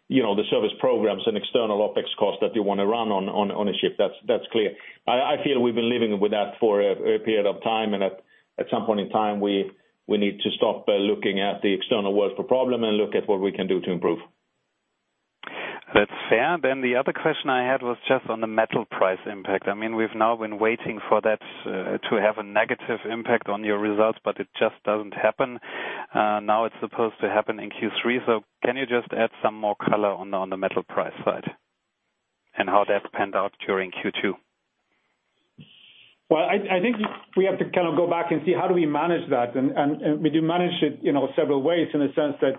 C: the service programs and external OPEX costs that you want to run on a ship. That's clear. I feel we've been living with that for a period of time. At some point in time, we need to stop looking at the external world for problem and look at what we can do to improve.
G: That's fair. The other question I had was just on the metal price impact. We've now been waiting for that to have a negative impact on your results. It just doesn't happen. Now it's supposed to happen in Q3. Can you just add some more color on the metal price side, and how that panned out during Q2?
C: Well, I think we have to go back and see how do we manage that. We do manage it several ways in the sense that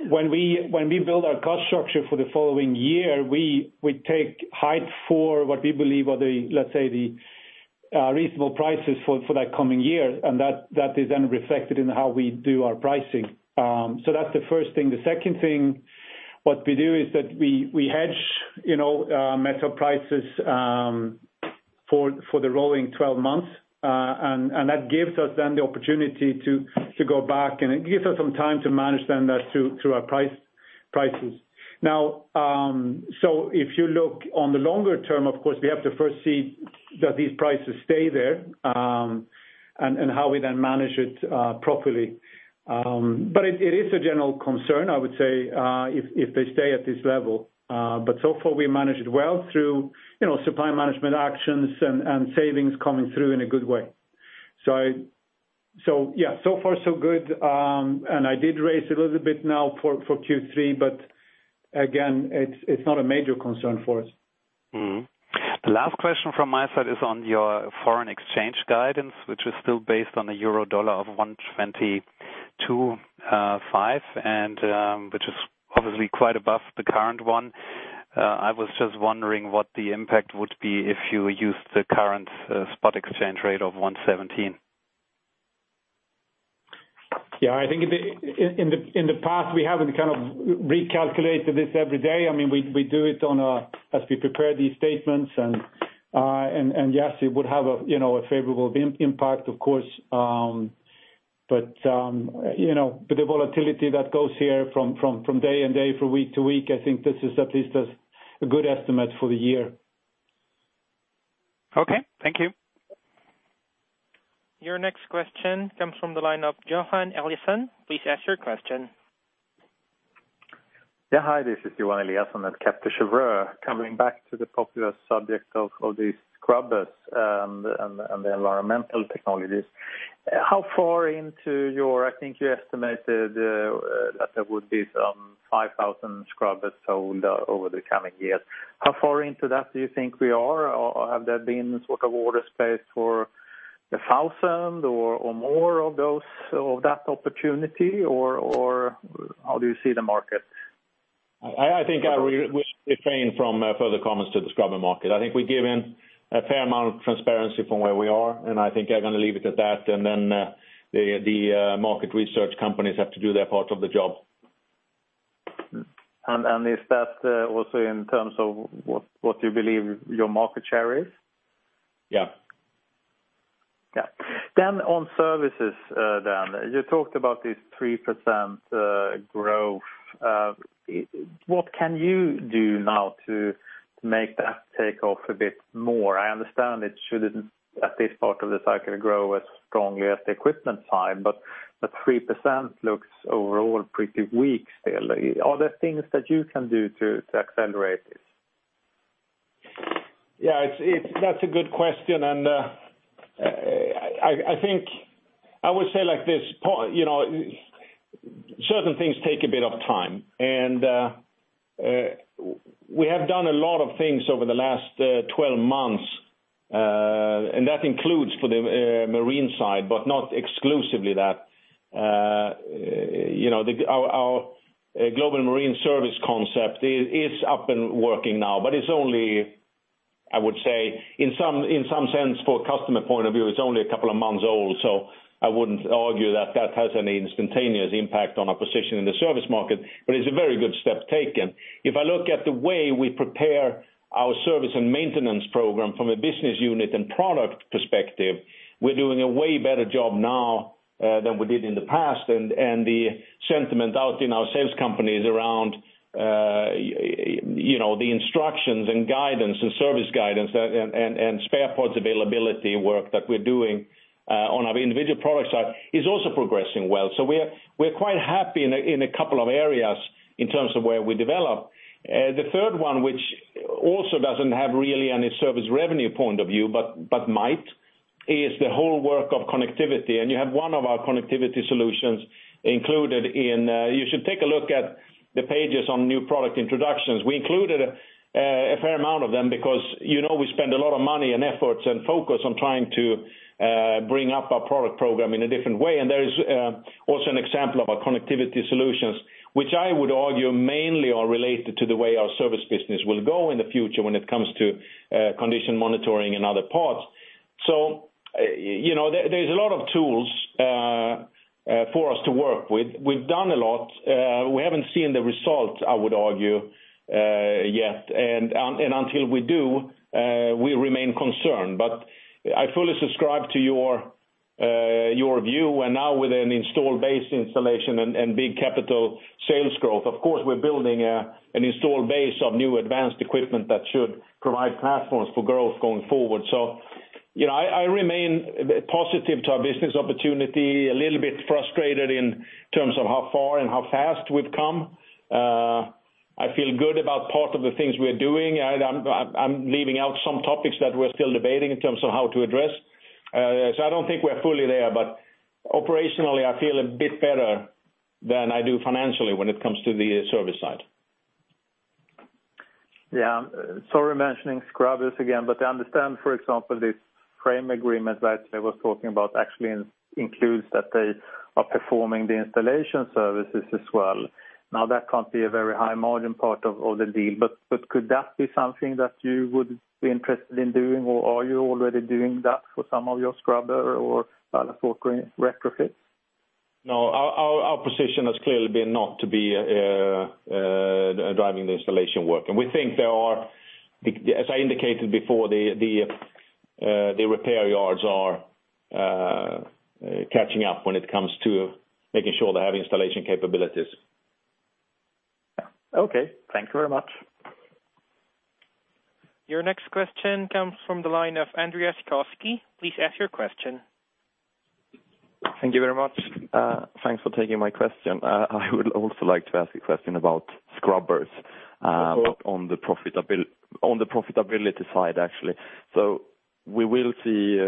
C: when we build our cost structure for the following year, we take height for what we believe are, let's say, the reasonable prices for that coming year. That is then reflected in how we do our pricing. That's the first thing. The second thing, what we do is that we hedge metal prices for the rolling 12 months. That gives us then the opportunity to go back, and it gives us some time to manage then that through our prices. If you look on the longer term, of course, we have to first see that these prices stay there, and how we then manage it properly. It is a general concern, I would say, if they stay at this level. So far, we managed well through supply management actions and savings coming through in a good way. So far so good. I did raise a little bit now for Q3. Again, it's not a major concern for us.
G: The last question from my side is on your foreign exchange guidance, which is still based on a euro dollar of 122.5, which is obviously quite above the current one. I was just wondering what the impact would be if you used the current spot exchange rate of 117.
C: In the past, we haven't kind of recalculated this every day. We do it as we prepare these statements, yes, it would have a favorable impact, of course. The volatility that goes here from day and day, from week to week, I think this is at least a good estimate for the year.
G: Thank you.
A: Your next question comes from the line of Johan Eliason. Please ask your question.
H: Hi, this is Johan Eliason at Kepler Cheuvreux. Coming back to the popular subject of the scrubbers and the environmental technologies. I think you estimated that there would be some 5,000 scrubbers sold over the coming years. How far into that do you think we are? Or have there been sort of order space for 1,000 or more of that opportunity, or how do you see the market?
B: I think I will refrain from further comments to the scrubber market. I think we've given a fair amount of transparency from where we are, and I think I'm going to leave it at that, and then the market research companies have to do their part of the job.
H: Is that also in terms of what you believe your market share is?
B: Yeah.
H: On services, Jan, you talked about this 3% growth. What can you do now to make that take off a bit more? I understand it shouldn't, at this part of the cycle, grow as strongly as the equipment side, but the 3% looks overall pretty weak still. Are there things that you can do to accelerate this?
B: Yeah, that's a good question. I think I would say like this. Certain things take a bit of time, and we have done a lot of things over the last 12 months, and that includes for the marine side, but not exclusively that. Our global marine service concept is up and working now, but it's only, I would say, in some sense, for customer point of view, it's only a couple of months old, so I wouldn't argue that that has any instantaneous impact on our position in the service market, but it's a very good step taken. If I look at the way we prepare our service and maintenance program from a business unit and product perspective, we're doing a way better job now than we did in the past. The sentiment out in our sales companies around the instructions and guidance and service guidance and spare parts availability work that we're doing on our individual product side is also progressing well. We're quite happy in a couple of areas in terms of where we develop. The third one, which also doesn't have really any service revenue point of view, but might, is the whole work of connectivity. You have one of our connectivity solutions. You should take a look at The pages on new product introductions. We included a fair amount of them because we spend a lot of money and efforts and focus on trying to bring up our product program in a different way. There is also an example of our connectivity solutions, which I would argue mainly are related to the way our service business will go in the future when it comes to condition monitoring and other parts. There's a lot of tools for us to work with. We've done a lot. We haven't seen the results, I would argue, yet, and until we do, we remain concerned. I fully subscribe to your view. Now with an install base installation and big capital sales growth, of course, we're building an install base of new advanced equipment that should provide platforms for growth going forward. I remain positive to our business opportunity, a little bit frustrated in terms of how far and how fast we've come. I feel good about part of the things we're doing. I'm leaving out some topics that we're still debating in terms of how to address. I don't think we're fully there, but operationally, I feel a bit better than I do financially when it comes to the service side.
H: Yeah. Sorry, mentioning scrubbers again. I understand, for example, this frame agreement that I was talking about actually includes that they are performing the installation services as well. That can't be a very high-margin part of the deal, could that be something that you would be interested in doing, or are you already doing that for some of your scrubber or ballast water retrofits?
B: No, our position has clearly been not to be driving the installation work. We think there are, as I indicated before, the repair yards are catching up when it comes to making sure they have installation capabilities.
H: Okay. Thank you very much.
A: Your next question comes from the line of Andreas Koski. Please ask your question.
I: Thank you very much. Thanks for taking my question. I would also like to ask a question about scrubbers.
B: Sure
I: On the profitability side, actually. We will see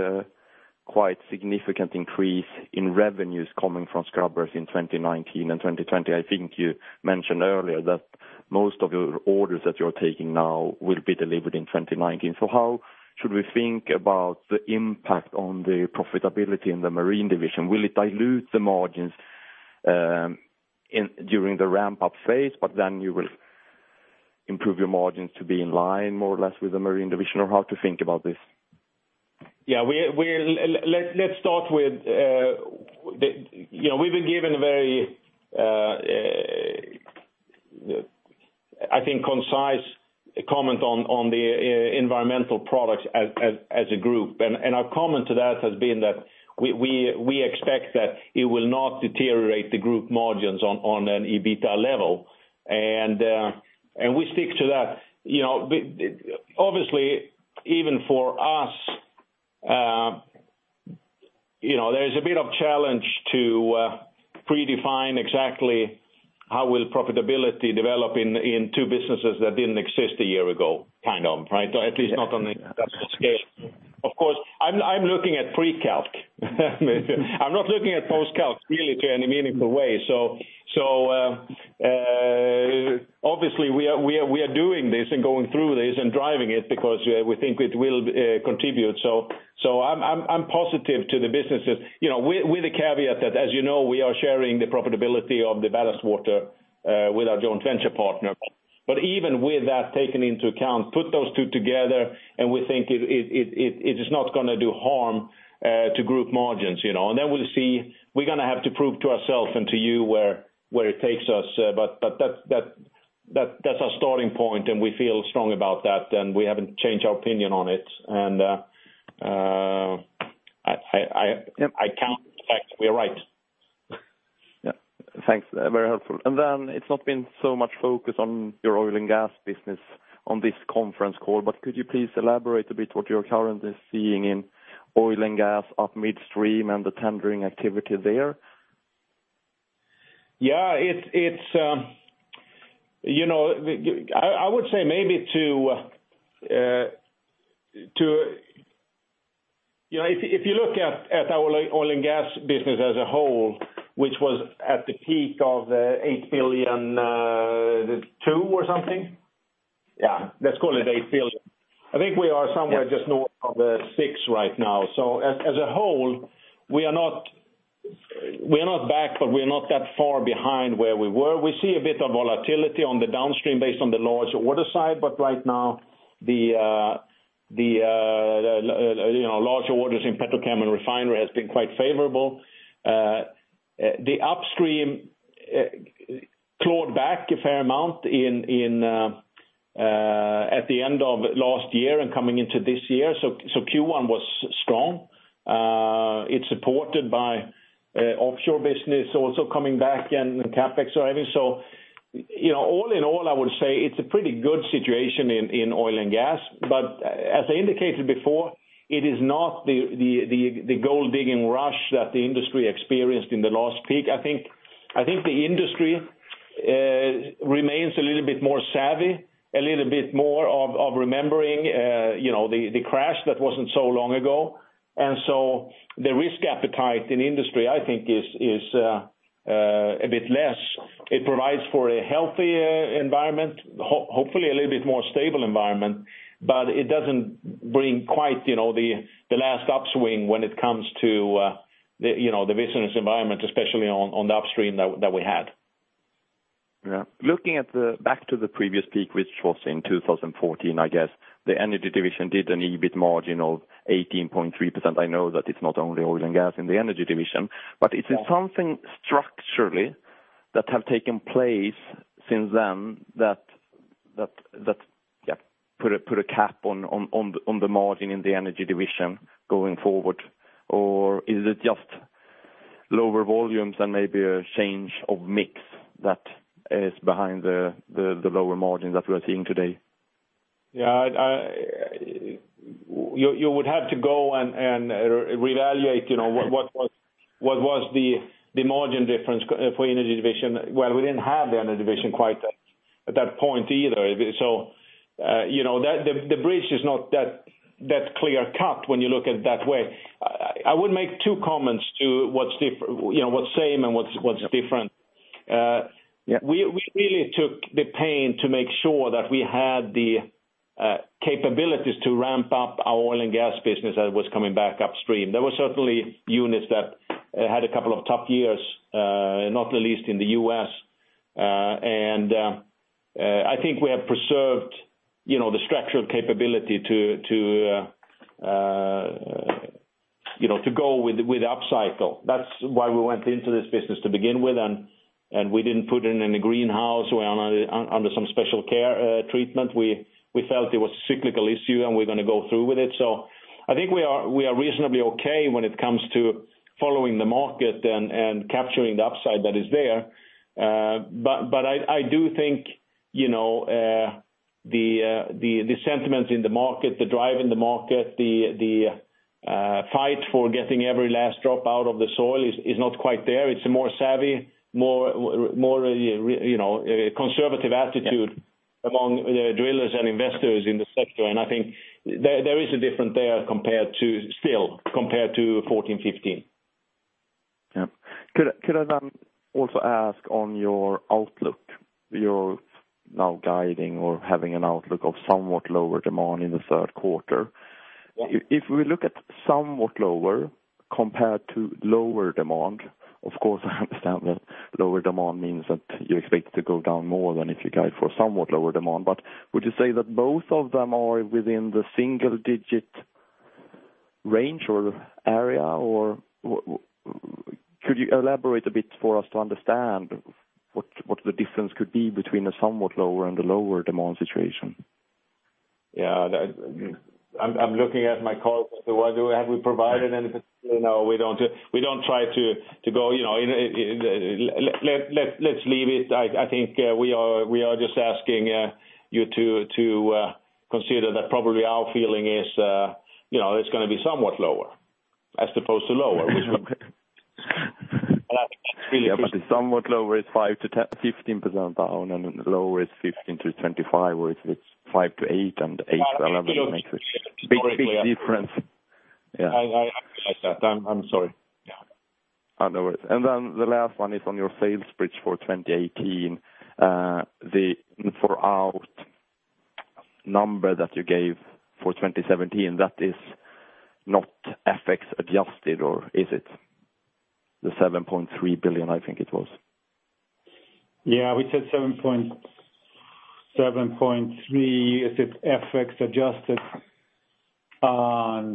I: a quite significant increase in revenues coming from scrubbers in 2019 and 2020. I think you mentioned earlier that most of your orders that you're taking now will be delivered in 2019. How should we think about the impact on the profitability in the Marine Division? Will it dilute the margins during the ramp-up phase, but then you will improve your margins to be in line more or less with the Marine Division? Or how to think about this?
B: Let's start with, we've been given very, I think, concise comment on the environmental products as a group. Our comment to that has been that we expect that it will not deteriorate the group margins on an EBITDA level. We stick to that. Obviously, even for us, there is a bit of challenge to predefine exactly how will profitability develop in two businesses that didn't exist a year ago, kind of. At least not on the industrial scale. Of course, I'm looking at pre-calculation. I'm not looking at post-calculation really to any meaningful way. Obviously we are doing this and going through this and driving it because we think it will contribute. I'm positive to the businesses, with the caveat that, as you know, we are sharing the profitability of the ballast water with our joint venture partner. Even with that taken into account, put those two together, and we think it is not going to do harm to group margins. Then we'll see. We're going to have to prove to ourselves and to you where it takes us, but that's our starting point, and we feel strong about that, and we haven't changed our opinion on it. I count the fact we are right.
I: Yeah. Thanks. Very helpful. It's not been so much focus on your oil and gas business on this conference call, but could you please elaborate a bit what you're currently seeing in oil and gas up midstream and the tendering activity there?
B: Yeah. I would say if you look at our oil and gas business as a whole, which was at the peak of 8 billion, two or something. Yeah, let's call it 8 billion. I think we are somewhere just north of SEK six right now. As a whole, we are not back, but we are not that far behind where we were. We see a bit of volatility on the downstream based on the large order side, but right now the large orders in petrochem and refinery has been quite favorable. The upstream clawed back a fair amount at the end of last year and coming into this year. Q1 was strong. It's supported by offshore business also coming back and the CapEx rising. All in all, I would say it's a pretty good situation in oil and gas. As I indicated before, it is not the gold-digging rush that the industry experienced in the last peak. I think the industry remains a little bit more savvy, a little bit more of remembering the crash that wasn't so long ago. The risk appetite in industry, I think is a bit less. It provides for a healthier environment, hopefully a little bit more stable environment, but it doesn't bring quite the last upswing when it comes to the business environment, especially on the upstream that we had.
I: Yeah. Looking back to the previous peak, which was in 2014, I guess, the Energy Division did an EBIT margin of 18.3%. I know that it's not only oil and gas in the Energy Division, but is it something structurally that have taken place since then that put a cap on the margin in the Energy Division going forward? Is it just lower volumes and maybe a change of mix that is behind the lower margin that we are seeing today?
B: Yeah. You would have to go and reevaluate what was the margin difference for Energy Division, well, we didn't have the Energy Division quite at that point either. The bridge is not that clear cut when you look at it that way. I would make two comments to what's same and what's different.
I: Yeah.
B: We really took the pain to make sure that we had the capabilities to ramp up our oil and gas business that was coming back upstream. There were certainly units that had a couple of tough years, not the least in the U.S. I think we have preserved the structural capability to go with the upcycle. That's why we went into this business to begin with, and we didn't put it in a Greenhouse or under some special care treatment. We felt it was a cyclical issue, and we're going to go through with it. I think we are reasonably okay when it comes to following the market and capturing the upside that is there. I do think, the sentiments in the market, the drive in the market, the fight for getting every last drop out of the soil is not quite there. It's a more savvy, more conservative attitude.
I: Yeah
B: among drillers and investors in the sector. I think there is a difference there, still, compared to 2014, 2015.
I: Could I also ask on your outlook, you are now guiding or having an outlook of somewhat lower demand in the third quarter.
B: Yeah.
I: If we look at somewhat lower compared to lower demand, of course, I understand that lower demand means that you expect to go down more than if you guide for somewhat lower demand. Would you say that both of them are within the single digit range or area, or could you elaborate a bit for us to understand what the difference could be between a somewhat lower and a lower demand situation?
B: Yeah. I am looking at my call, have we provided any? No, we don't try to go. Let's leave it. I think we are just asking you to consider that probably our feeling is it is going to be somewhat lower as opposed to lower.
I: Okay.
B: I think that's really
I: Yeah, somewhat lower is 5%-15% down, and lower is 15%-25%, whereas with 5%-8% and 8%-11% makes a big difference. Yeah.
B: I recognize that. I'm sorry. Yeah.
I: No worries. The last one is on your sales bridge for 2018. The number that you gave for 2017, that is not FX adjusted, or is it? The 7.3 billion, I think it was.
B: Yeah, we said 7.3. Is it FX adjusted?
I: I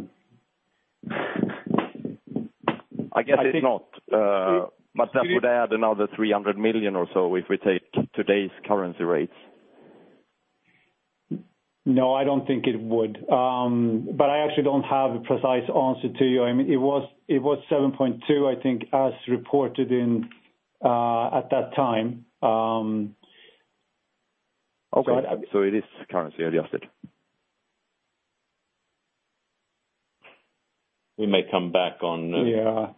I: guess it's not. That would add another 300 million or so if we take today's currency rates.
B: No, I don't think it would. I actually don't have a precise answer to you. I mean, it was 7.2, I think, as reported at that time.
I: Okay. It is currency adjusted.
B: We may come back.
I: Yeah.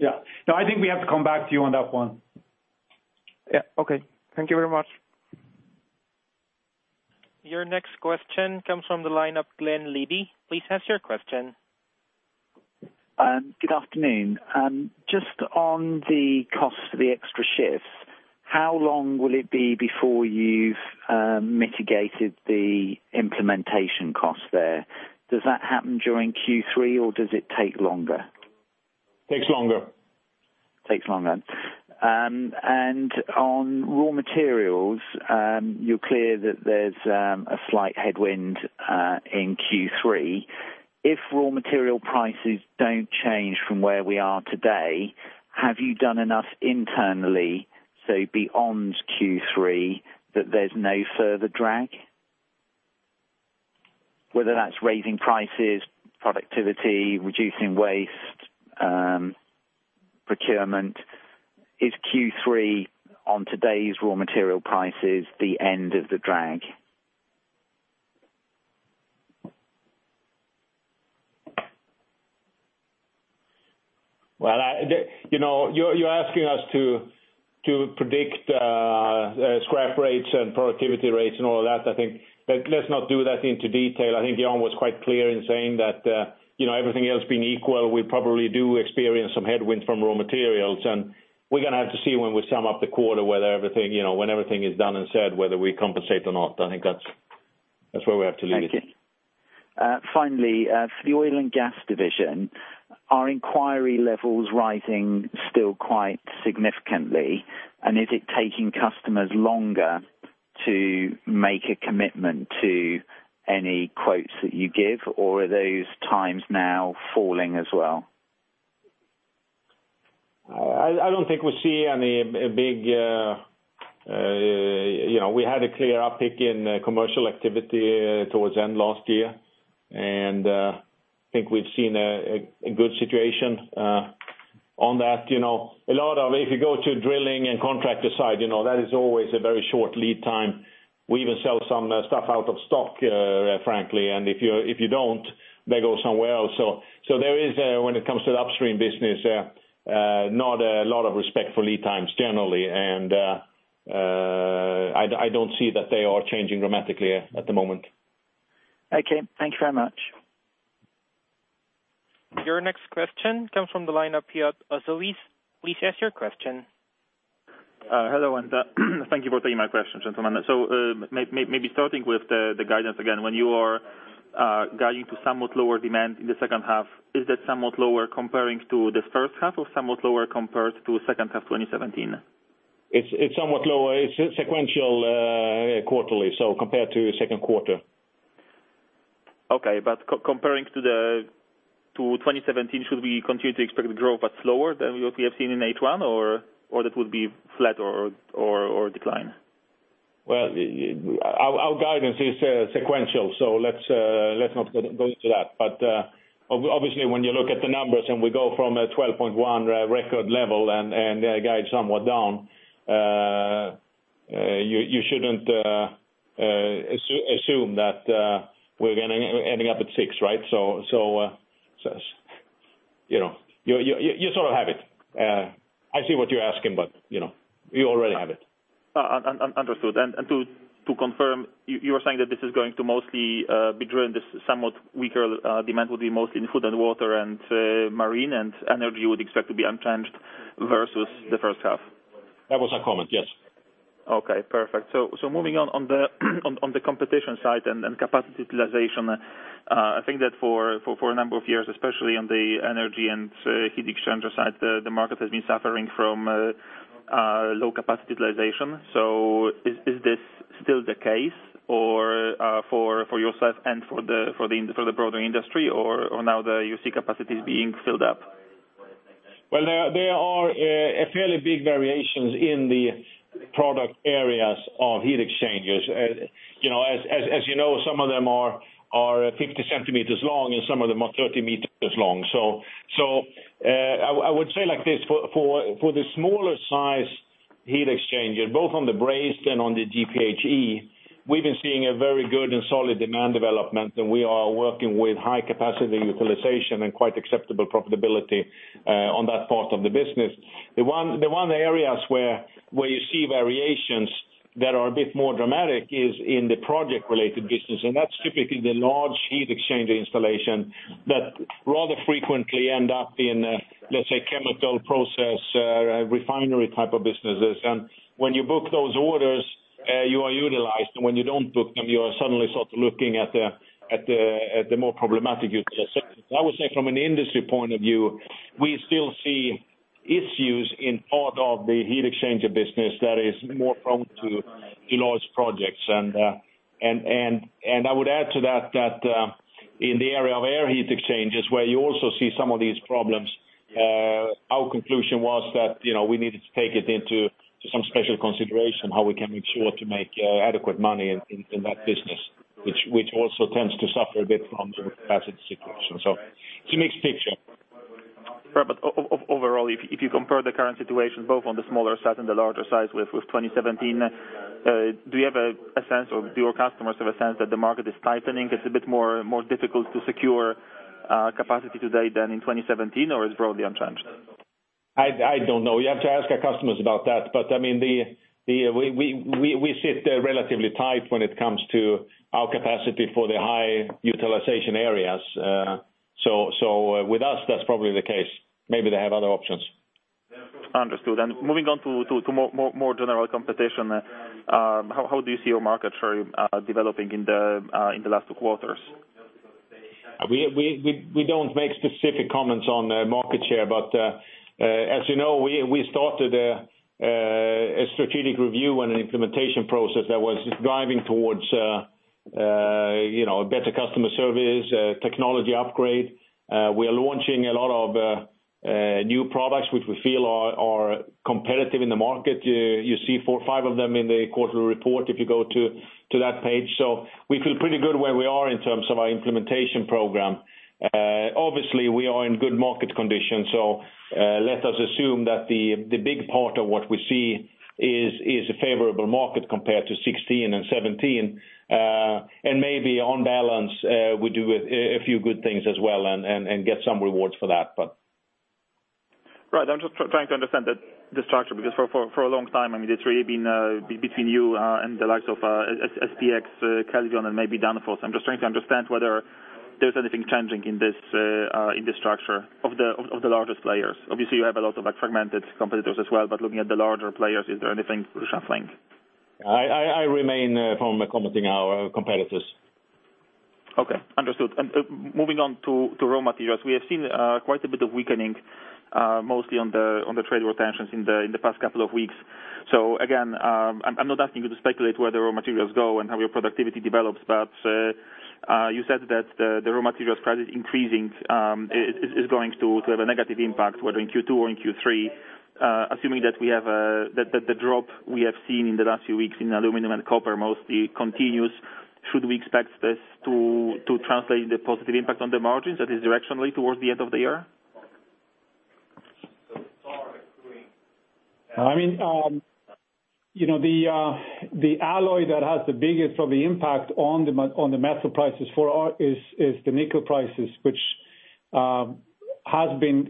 B: Yeah. No, I think we have to come back to you on that one.
I: Yeah. Okay. Thank you very much.
A: Your next question comes from the line of Glen Lageson. Please ask your question.
J: Good afternoon. Just on the cost of the extra shifts, how long will it be before you've mitigated the implementation cost there? Does that happen during Q3 or does it take longer?
B: Takes longer.
J: Takes longer. On raw materials, you're clear that there's a slight headwind, in Q3. If raw material prices don't change from where we are today, have you done enough internally, so beyond Q3, that there's no further drag? Whether that's raising prices, productivity, reducing waste, procurement. Is Q3 on today's raw material prices the end of the drag?
B: Well, you're asking us to predict scrap rates and productivity rates and all of that. I think, let's not do that into detail. I think Jan was quite clear in saying that everything else being equal, we probably do experience some headwinds from raw materials, and we're going to have to see when we sum up the quarter, when everything is done and said, whether we compensate or not, I think that's where we have to leave it.
J: Thank you. Finally, for the oil and gas division, are inquiry levels rising still quite significantly? Is it taking customers longer to make a commitment to any quotes that you give, or are those times now falling as well?
B: I don't think we see any big. We had a clear uptick in commercial activity towards the end of last year. I think we've seen a good situation on that. A lot of, if you go to drilling and contractor side, that is always a very short lead time. We even sell some stuff out of stock, frankly, and if you don't, they go somewhere else. There is, when it comes to the upstream business, not a lot of respect for lead times generally, and I don't see that they are changing dramatically at the moment.
J: Okay. Thank you very much.
A: Your next question comes from the line of Pasi Väisänen. Please ask your question.
K: Hello. Thank you for taking my question, gentlemen. Maybe starting with the guidance again, when you are guiding to somewhat lower demand in the second half, is that somewhat lower comparing to the first half, or somewhat lower compared to second half 2017?
B: It is somewhat lower. It is sequential quarterly, compared to the second quarter.
K: Okay, comparing to 2017, should we continue to expect the growth, but slower than what we have seen in H1, or that would be flat or decline?
B: Well, our guidance is sequential, let's not go into that. Obviously when you look at the numbers and we go from a 12.1 record level and guide somewhat down, you shouldn't assume that we are going to ending up at six, right? You sort of have it. I see what you are asking, but you already have it.
K: Understood. To confirm, you were saying that this is going to mostly be driven, this somewhat weaker demand will be mostly in Food & Water and Marine, Energy you would expect to be unchanged versus the first half?
B: That was our comment, yes.
K: Okay, perfect. Moving on the competition side and capacity utilization, I think that for a number of years, especially on the Energy and heat exchanger side, the market has been suffering from low capacity utilization. Is this still the case for yourself and for the broader industry, or now you see capacity being filled up?
B: Well, there are fairly big variations in the product areas of heat exchangers. As you know, some of them are 50 centimeters long, and some of them are 30 meters long. I would say it like this, for the smaller size heat exchanger, both on the brazed and on the GPHE, we've been seeing a very good and solid demand development, and we are working with high capacity utilization and quite acceptable profitability on that part of the business. The one areas where you see variations that are a bit more dramatic is in the project-related business, and that's typically the large heat exchanger installation that rather frequently end up in, let's say, chemical process refinery type of businesses. When you book those orders, you are utilized, and when you don't book them, you are suddenly sort of looking at the more problematic utilization. I would say from an industry point of view, we still see issues in part of the heat exchanger business that is more prone to large projects. I would add to that in the area of air heat exchangers, where you also see some of these problems, our conclusion was that we needed to take it into some special consideration, how we can make sure to make adequate money in that business, which also tends to suffer a bit from the capacity situation. It's a mixed picture.
K: Right. Overall, if you compare the current situation, both on the smaller side and the larger size with 2017, do you have a sense or do your customers have a sense that the market is tightening, it's a bit more difficult to secure capacity today than in 2017, or it's broadly unchanged?
B: I don't know. You have to ask our customers about that. We sit there relatively tight when it comes to our capacity for the high utilization areas. With us, that's probably the case. Maybe they have other options.
K: Understood. Moving on to more general competition, how do you see your market share developing in the last two quarters?
B: We don't make specific comments on market share, but as you know, we started a strategic review and an implementation process that was driving towards better customer service, technology upgrade. We are launching a lot of new products which we feel are competitive in the market. You see four, five of them in the quarterly report if you go to that page. We feel pretty good where we are in terms of our implementation program. Are in good market conditions. Let us assume that the big part of what we see is a favorable market compared to 2016 and 2017. Maybe on balance, we do a few good things as well and get some rewards for that.
K: Right. I'm just trying to understand the structure because for a long time, it's really been between you and the likes of SPX, GEA, and maybe Danfoss. I'm just trying to understand whether there's anything changing in this structure of the largest players. Obviously, you have a lot of fragmented competitors as well, but looking at the larger players, is there anything shuffling?
B: I remain from commenting our competitors.
K: Okay, understood. Moving on to raw materials. We have seen quite a bit of weakening, mostly on the trade war tensions in the past couple of weeks. Again, I'm not asking you to speculate where the raw materials go and how your productivity develops, but you said that the raw materials price is increasing, is going to have a negative impact, whether in Q2 or in Q3. Assuming that the drop we have seen in the last few weeks in aluminum and copper mostly continues, should we expect this to translate the positive impact on the margins, that is directionally towards the end of the year?
C: The alloy that has the biggest probably impact on the metal prices for us is the nickel prices, which has been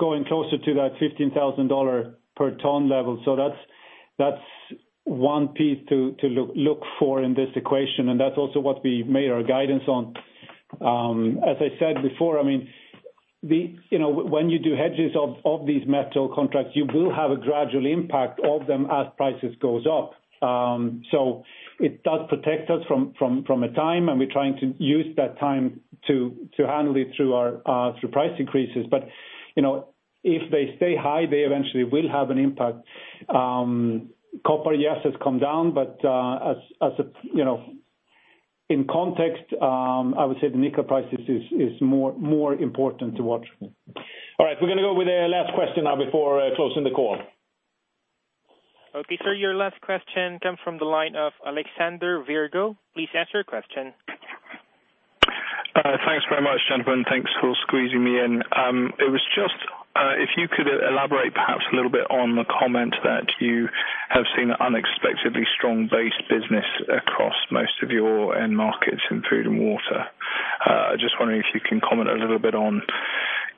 C: going closer to that $15,000 per ton level. That's one piece to look for in this equation, and that's also what we made our guidance on. As I said before, when you do hedges of these metal contracts, you will have a gradual impact of them as prices goes up. It does protect us from a time, and we're trying to use that time to handle it through price increases. If they stay high, they eventually will have an impact. Copper, yes, has come down, but in context, I would say the nickel prices is more important to watch. All right. We're going to go with the last question now before closing the call.
A: Okay, sir, your last question comes from the line of Alexander Virgo. Please ask your question.
L: Thanks very much, Jennifer, and thanks for squeezing me in. If you could elaborate perhaps a little bit on the comment that you have seen unexpectedly strong base business across most of your end markets in Food & Water. Just wondering if you can comment a little bit on,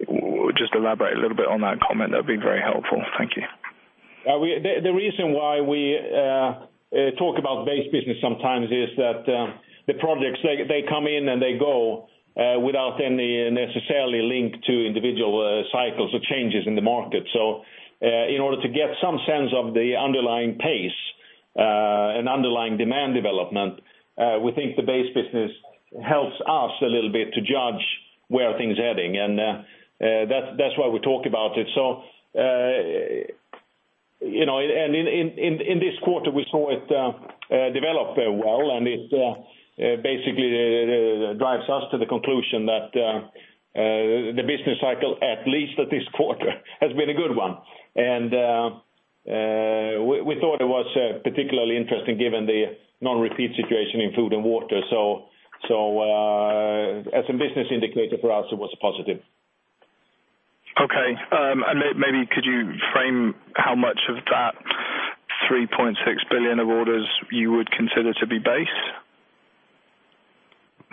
L: or just elaborate a little bit on that comment, that'd be very helpful. Thank you.
C: The reason why we talk about base business sometimes is that the projects, they come in and they go without any necessarily link to individual cycles or changes in the market. In order to get some sense of the underlying pace, and underlying demand development, we think the base business helps us a little bit to judge where are things heading. That's why we talk about it. In this quarter, we saw it develop well, and it basically drives us to the conclusion that the business cycle, at least at this quarter, has been a good one. We thought it was particularly interesting given the non-repeat situation in Food & Water. As a business indicator for us, it was positive.
L: Okay. Maybe could you frame how much of that 3.6 billion of orders you would consider to be base?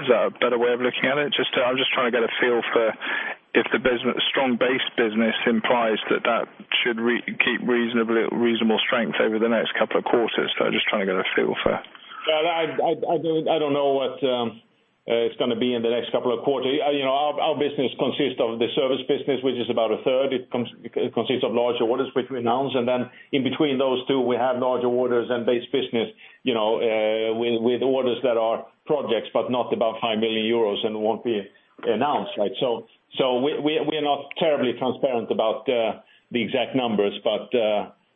L: Is that a better way of looking at it? I'm just trying to get a feel for if the strong base business implies that that should keep reasonable strength over the next couple of quarters.
C: I don't know what it's going to be in the next couple of quarters. Our business consists of the service business, which is about a third. It consists of larger orders which we announce, and then in between those two, we have larger orders and base business, with orders that are projects, but not above 5 million euros and won't be announced. We are not terribly transparent about the exact numbers,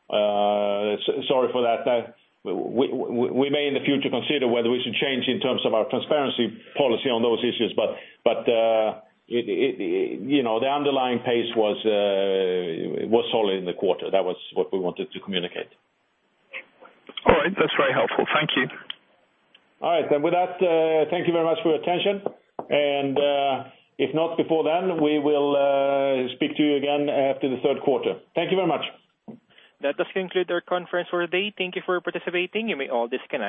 C: sorry for that. We may in the future consider whether we should change in terms of our transparency policy on those issues, but the underlying pace was solid in the quarter. That was what we wanted to communicate.
L: All right. That's very helpful. Thank you.
C: All right. With that, thank you very much for your attention. If not before then, we will speak to you again after the third quarter. Thank you very much.
A: That does conclude our conference for the day. Thank you for participating. You may all disconnect.